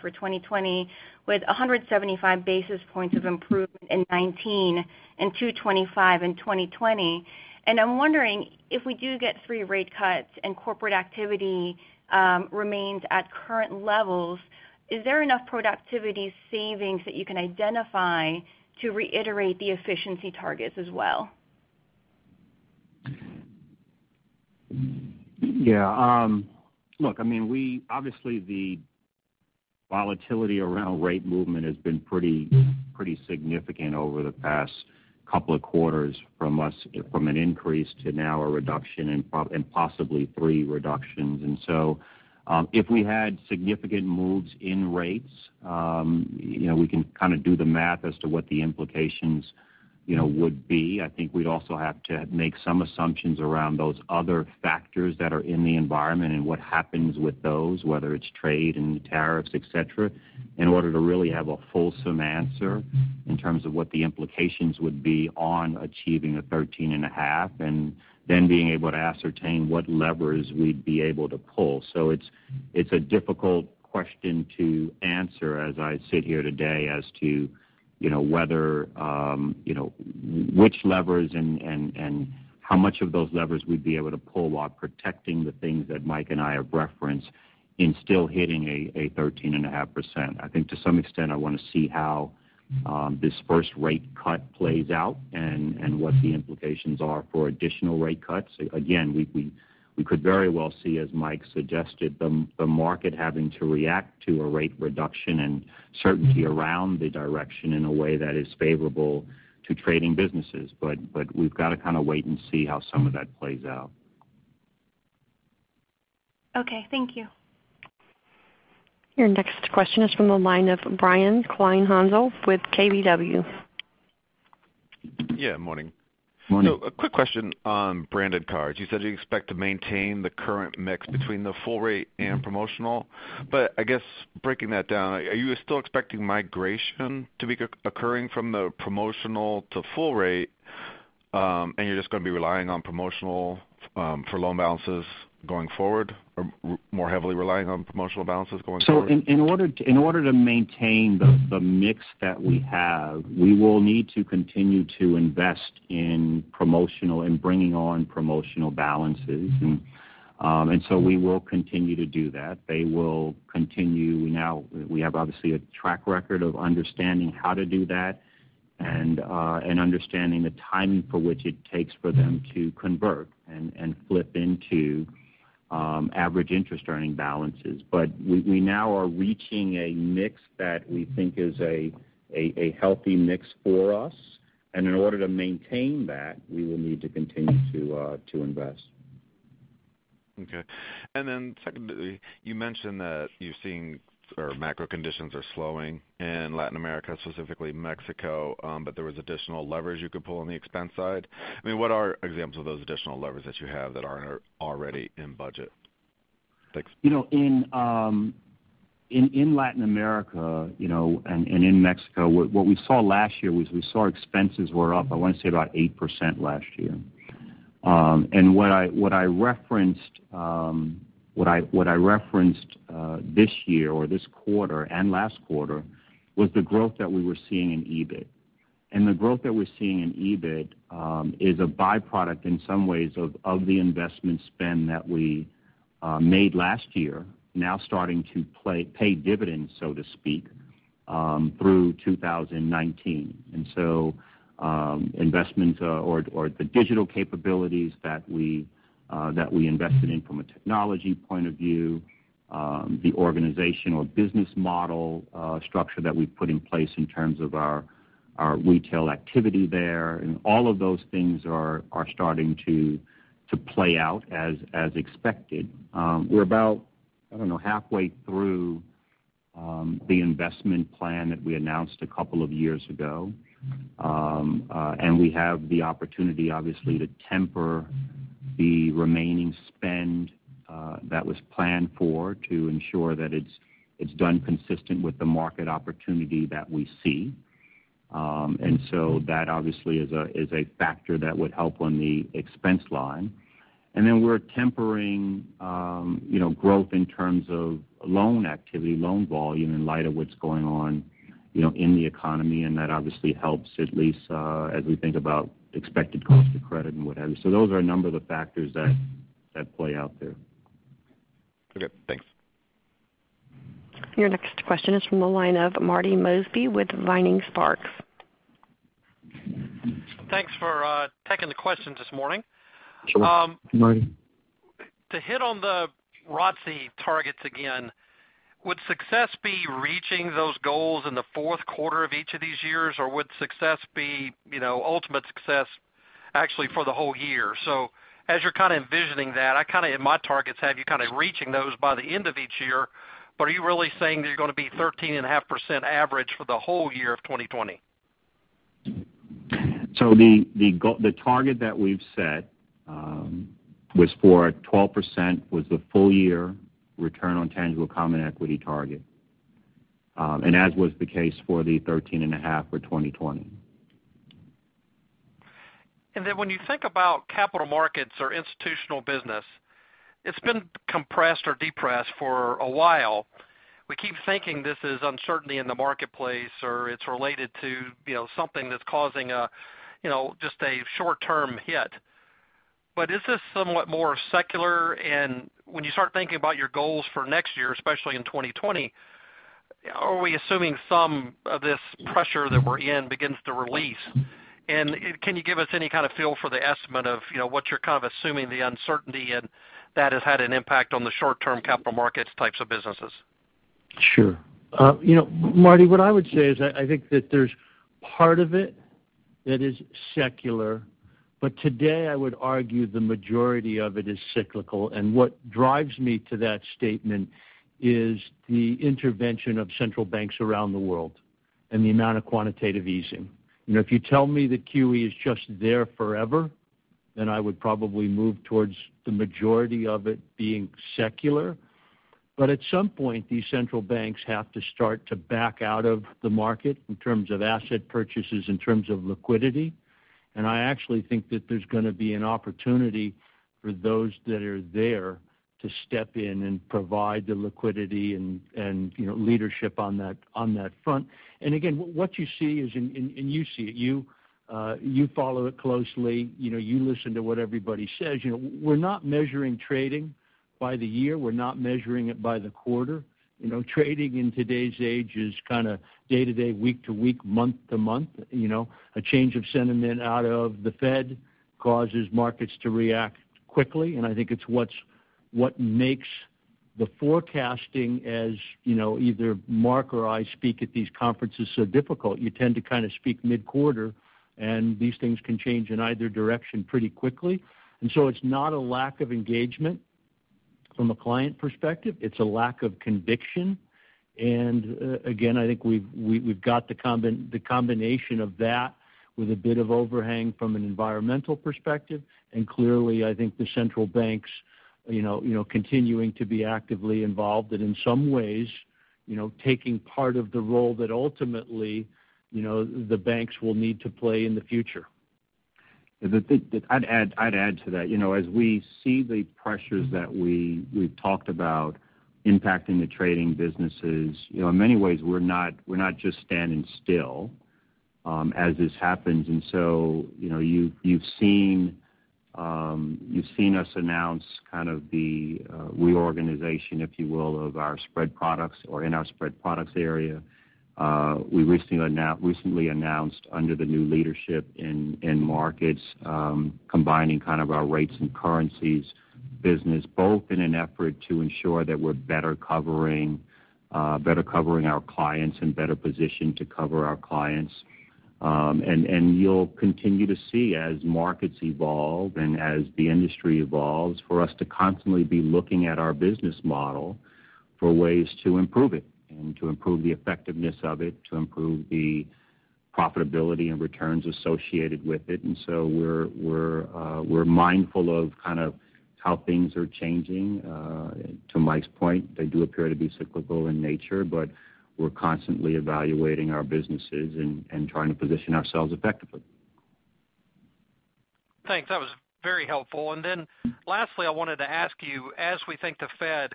for 2020 with 175 basis points of improvement in 2019 and 225 basis points in 2020. I'm wondering if we do get three rate cuts and corporate activity remains at current levels, is there enough productivity savings that you can identify to reiterate the efficiency targets as well? Yeah. Look, obviously the volatility around rate movement has been pretty significant over the past couple of quarters from an increase to now a reduction and possibly three reductions. If we had significant moves in rates, we can kind of do the math as to what the implications would be. I think we'd also have to make some assumptions around those other factors that are in the environment and what happens with those, whether it's trade and tariffs, et cetera, in order to really have a fulsome answer in terms of what the implications would be on achieving a 13.5%, and then being able to ascertain what levers we'd be able to pull. It's a difficult question to answer as I sit here today as to which levers and how much of those levers we'd be able to pull while protecting the things that Mike and I have referenced in still hitting a 13.5%. I think to some extent, I want to see how this first rate cut plays out and what the implications are for additional rate cuts. Again, we could very well see, as Mike suggested, the market having to react to a rate reduction and certainty around the direction in a way that is favorable to trading businesses. We've got to kind of wait and see how some of that plays out. Okay, thank you. Your next question is from the line of Brian Kleinhanzl with KBW. Yeah, morning. Morning. A quick question on branded cards. You said you expect to maintain the current mix between the full rate and promotional, but I guess breaking that down, are you still expecting migration to be occurring from the promotional to full rate, and you're just going to be relying on promotional for loan balances going forward, or more heavily relying on promotional balances going forward? In order to maintain the mix that we have, we will need to continue to invest in promotional and bringing on promotional balances. We will continue to do that. We have obviously a track record of understanding how to do that and understanding the timing for which it takes for them to convert and flip into average interest earning balances. We now are reaching a mix that we think is a healthy mix for us, and in order to maintain that, we will need to continue to invest. Okay. Secondly, you mentioned that you're seeing macro conditions are slowing in Latin America, specifically Mexico, but there was additional leverage you could pull on the expense side. I mean, what are examples of those additional levers that you have that aren't already in budget? Thanks. In Latin America, in Mexico, what we saw last year was we saw expenses were up, I want to say about 8% last year. What I referenced this year or this quarter and last quarter was the growth that we were seeing in EBIT. The growth that we're seeing in EBIT is a byproduct in some ways of the investment spend that we made last year, now starting to pay dividends, so to speak, through 2019. Investments or the digital capabilities that we invested in from a technology point of view, the organization or business model structure that we've put in place in terms of our retail activity there, all of those things are starting to play out as expected. We're about, I don't know, halfway through the investment plan that we announced a couple of years ago. We have the opportunity, obviously, to temper the remaining spend that was planned for to ensure that it's done consistent with the market opportunity that we see. That obviously is a factor that would help on the expense line. We're tempering growth in terms of loan activity, loan volume, in light of what's going on in the economy, that obviously helps at least as we think about expected cost of credit and what have you. Those are a number of the factors that play out there. Okay, thanks. Your next question is from the line of Marty Mosby with Vining Sparks. Thanks for taking the question this morning. Sure. Good morning. To hit on the ROTCE targets again, would success be reaching those goals in the fourth quarter of each of these years, or would success be ultimate success actually for the whole year? As you're kind of envisioning that, I kind of in my targets have you kind of reaching those by the end of each year, but are you really saying that you're going to be 13 and a half% average for the whole year of 2020? The target that we've set was for 12% was the full-year return on tangible common equity target. As was the case for the 13.5% for 2020. When you think about capital markets or institutional business, it's been compressed or depressed for a while. We keep thinking this is uncertainty in the marketplace, or it's related to something that's causing just a short-term hit. Is this somewhat more secular? When you start thinking about your goals for next year, especially in 2020, are we assuming some of this pressure that we're in begins to release? Can you give us any kind of feel for the estimate of what you're kind of assuming the uncertainty and that has had an impact on the short-term capital markets types of businesses? Sure. Marty, what I would say is I think that there's part of it that is secular, but today I would argue the majority of it is cyclical. What drives me to that statement is the intervention of central banks around the world and the amount of quantitative easing. If you tell me that QE is just there forever, I would probably move towards the majority of it being secular. At some point, these central banks have to start to back out of the market in terms of asset purchases, in terms of liquidity. I actually think that there's going to be an opportunity for those that are there to step in and provide the liquidity and leadership on that front. Again, what you see is, and you see it, you follow it closely. You listen to what everybody says. We're not measuring trading by the year. We're not measuring it by the quarter. Trading in today's age is kind of day to day, week to week, month to month. A change of sentiment out of the Fed causes markets to react quickly, and I think it's what makes The forecasting, as either Mark or I speak at these conferences, is so difficult. You tend to kind of speak mid-quarter, these things can change in either direction pretty quickly. So it's not a lack of engagement from a client perspective, it's a lack of conviction. Again, I think we've got the combination of that with a bit of overhang from an environmental perspective. Clearly, I think the central banks continuing to be actively involved, and in some ways, taking part of the role that ultimately the banks will need to play in the future. I'd add to that. As we see the pressures that we've talked about impacting the trading businesses, in many ways we're not just standing still as this happens. You've seen us announce kind of the reorganization, if you will, of our spread products or in our spread products area. We recently announced under the new leadership in markets, combining kind of our rates and currencies business, both in an effort to ensure that we're better covering our clients and better positioned to cover our clients. You'll continue to see as markets evolve and as the industry evolves, for us to constantly be looking at our business model for ways to improve it, and to improve the effectiveness of it, to improve the profitability and returns associated with it. We're mindful of kind of how things are changing. To Mike's point, they do appear to be cyclical in nature, we're constantly evaluating our businesses and trying to position ourselves effectively. Thanks. That was very helpful. Lastly, I wanted to ask you, as we think the Fed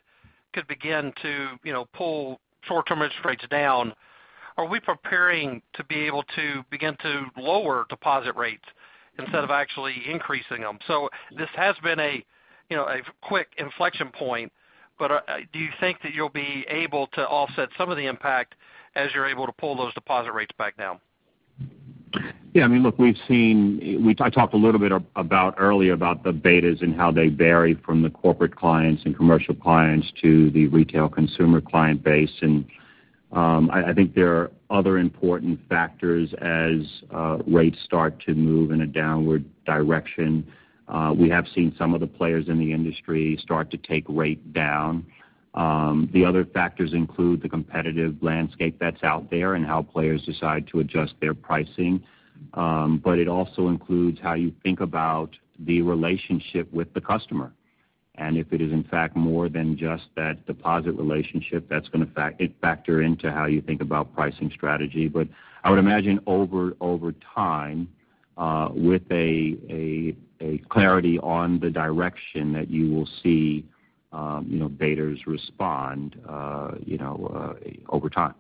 could begin to pull short-term interest rates down, are we preparing to be able to begin to lower deposit rates instead of actually increasing them? This has been a quick inflection point, do you think that you'll be able to offset some of the impact as you're able to pull those deposit rates back down? I mean, look, I talked a little bit earlier about the betas and how they vary from the corporate clients and commercial clients to the retail consumer client base. I think there are other important factors as rates start to move in a downward direction. We have seen some of the players in the industry start to take rate down. The other factors include the competitive landscape that's out there and how players decide to adjust their pricing. It also includes how you think about the relationship with the customer. If it is, in fact, more than just that deposit relationship, that's going to factor into how you think about pricing strategy. I would imagine over time, with a clarity on the direction that you will see betas respond over time.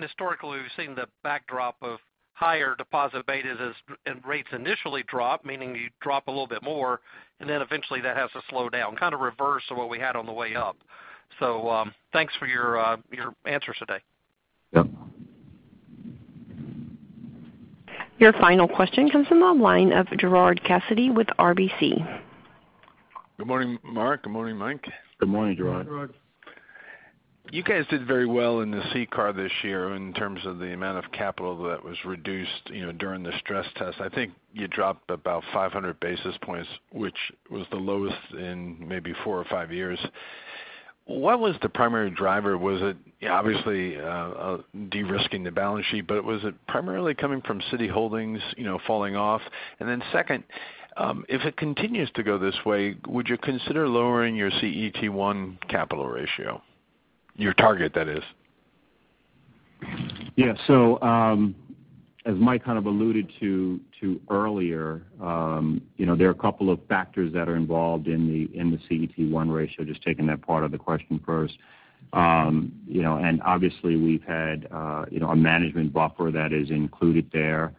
Historically, we've seen the backdrop of higher deposit betas as rates initially drop, meaning you drop a little bit more, and then eventually that has to slow down. Kind of reverse of what we had on the way up. Thanks for your answers today. Yep. Your final question comes from the line of Gerard Cassidy with RBC. Good morning, Mark. Good morning, Mike. Good morning, Gerard. Good morning, Gerard. You guys did very well in the CCAR this year in terms of the amount of capital that was reduced during the stress test. I think you dropped about 500 basis points, which was the lowest in maybe four or five years. What was the primary driver? Was it obviously de-risking the balance sheet, but was it primarily coming from Citi Holdings falling off? Second, if it continues to go this way, would you consider lowering your CET1 capital ratio? Your target, that is. Yeah. As Mike kind of alluded to earlier, there are a couple of factors that are involved in the CET1 ratio, just taking that part of the question first. Obviously, we've had a management buffer that is included there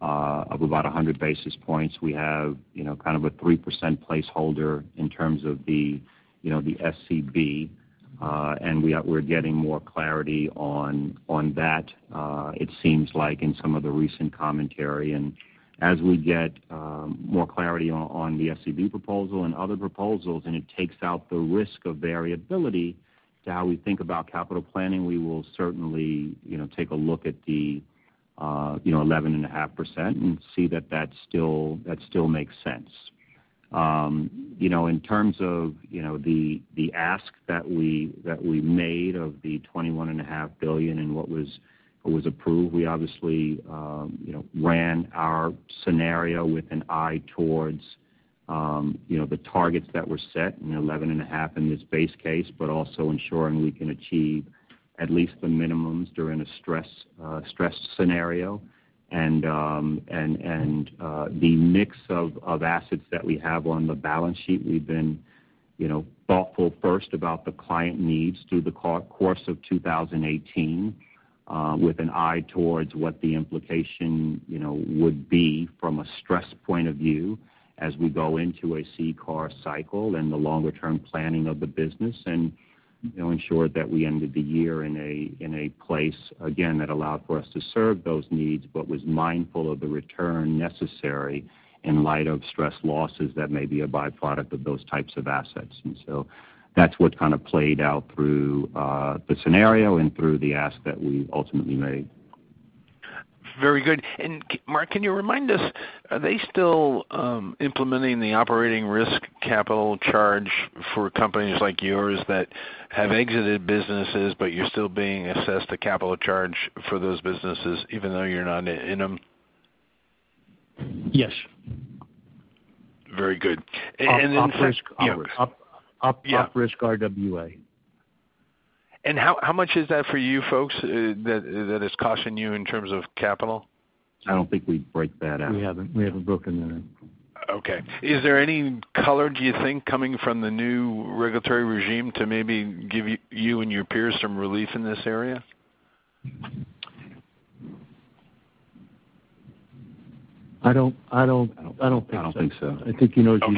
of about 100 basis points. We have kind of a 3% placeholder in terms of the SCB. We're getting more clarity on that, it seems like, in some of the recent commentary. As we get more clarity on the SCB proposal and other proposals, and it takes out the risk of variability to how we think about capital planning, we will certainly take a look at the 11.5% and see that that still makes sense. In terms of the ask that we made of the $21.5 billion and what was approved, we obviously ran our scenario with an eye towards the targets that were set, 11.5 in this base case, but also ensuring we can achieve at least the minimums during a stress scenario. The mix of assets that we have on the balance sheet, we've been thoughtful first about the client needs through the course of 2018. With an eye towards what the implication would be from a CCAR stress point of view as we go into a CCAR cycle and the longer-term planning of the business. Ensure that we ended the year in a place, again, that allowed for us to serve those needs, but was mindful of the return necessary in light of stress losses that may be a byproduct of those types of assets. That's what kind of played out through the scenario and through the ask that we ultimately made. Very good. Mark, can you remind us, are they still implementing the operating risk capital charge for companies like yours that have exited businesses, but you're still being assessed a capital charge for those businesses even though you're not in them? Yes. Very good. Op risk RWA. How much is that for you folks that is costing you in terms of capital? I don't think we break that out. We haven't broken it out. Okay. Is there any color, do you think, coming from the new regulatory regime to maybe give you and your peers some relief in this area? I don't think so. I don't think so. Okay. I think, as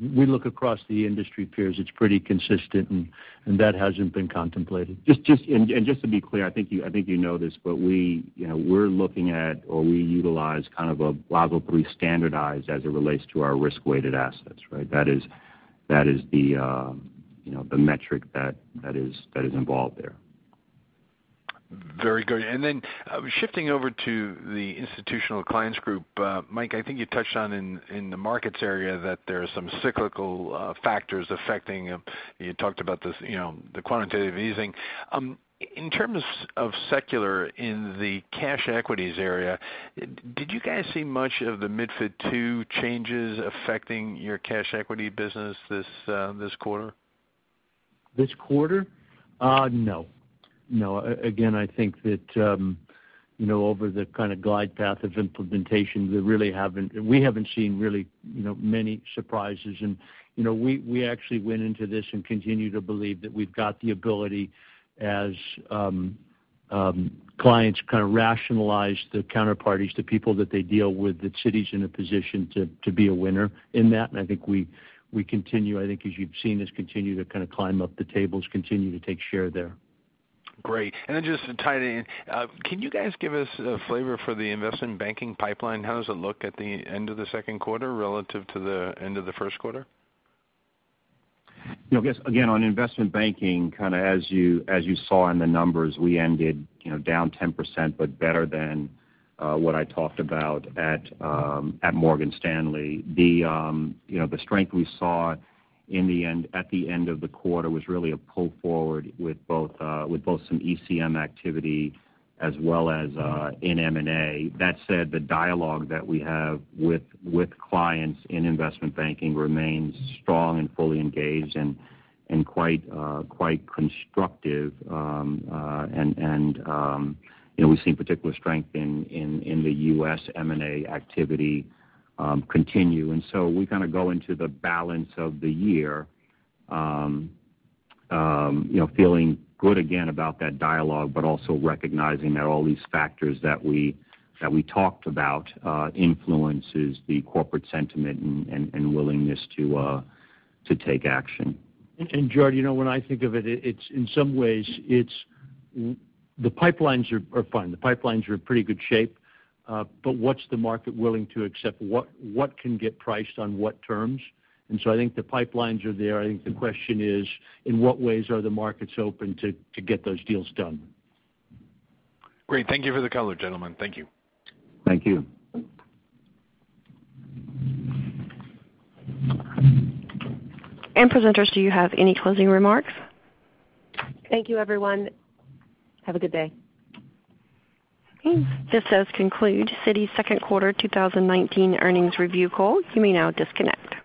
we look across the industry peers, it's pretty consistent, and that hasn't been contemplated. Just to be clear, I think you know this, but we're looking at, or we utilize kind of a logically standardized as it relates to our risk-weighted assets, right? That is the metric that is involved there. Very good. Shifting over to the Institutional Clients Group. Mike, I think you touched on in the markets area that there's some cyclical factors affecting, you talked about the quantitative easing. In terms of secular in the cash equities area, did you guys see much of the MiFID II changes affecting your cash equity business this quarter? This quarter? No. I think that over the kind of glide path of implementation, we haven't seen really many surprises. We actually went into this and continue to believe that we've got the ability as clients kind of rationalize the counterparties, the people that they deal with, that Citi's in a position to be a winner in that. I think we continue, I think as you've seen us continue to kind of climb up the tables, continue to take share there. Great. Just to tie it in, can you guys give us a flavor for the investment banking pipeline? How does it look at the end of the second quarter relative to the end of the first quarter? On investment banking, kind of as you saw in the numbers, we ended down 10%, but better than what I talked about at Morgan Stanley. The strength we saw at the end of the quarter was really a pull forward with both some ECM activity as well as in M&A. That said, the dialogue that we have with clients in investment banking remains strong and fully engaged and quite constructive, and we've seen particular strength in the U.S. M&A activity continue. We kind of go into the balance of the year feeling good again about that dialogue, but also recognizing that all these factors that we talked about influences the corporate sentiment and willingness to take action. Gerard, when I think of it, in some ways, the pipelines are fine. The pipelines are in pretty good shape. What's the market willing to accept? What can get priced on what terms? I think the pipelines are there. I think the question is, in what ways are the markets open to get those deals done? Great. Thank you for the color, gentlemen. Thank you. Thank you. Presenters, do you have any closing remarks? Thank you, everyone. Have a good day. Okay, this does conclude Citi's second quarter 2019 earnings review call. You may now disconnect.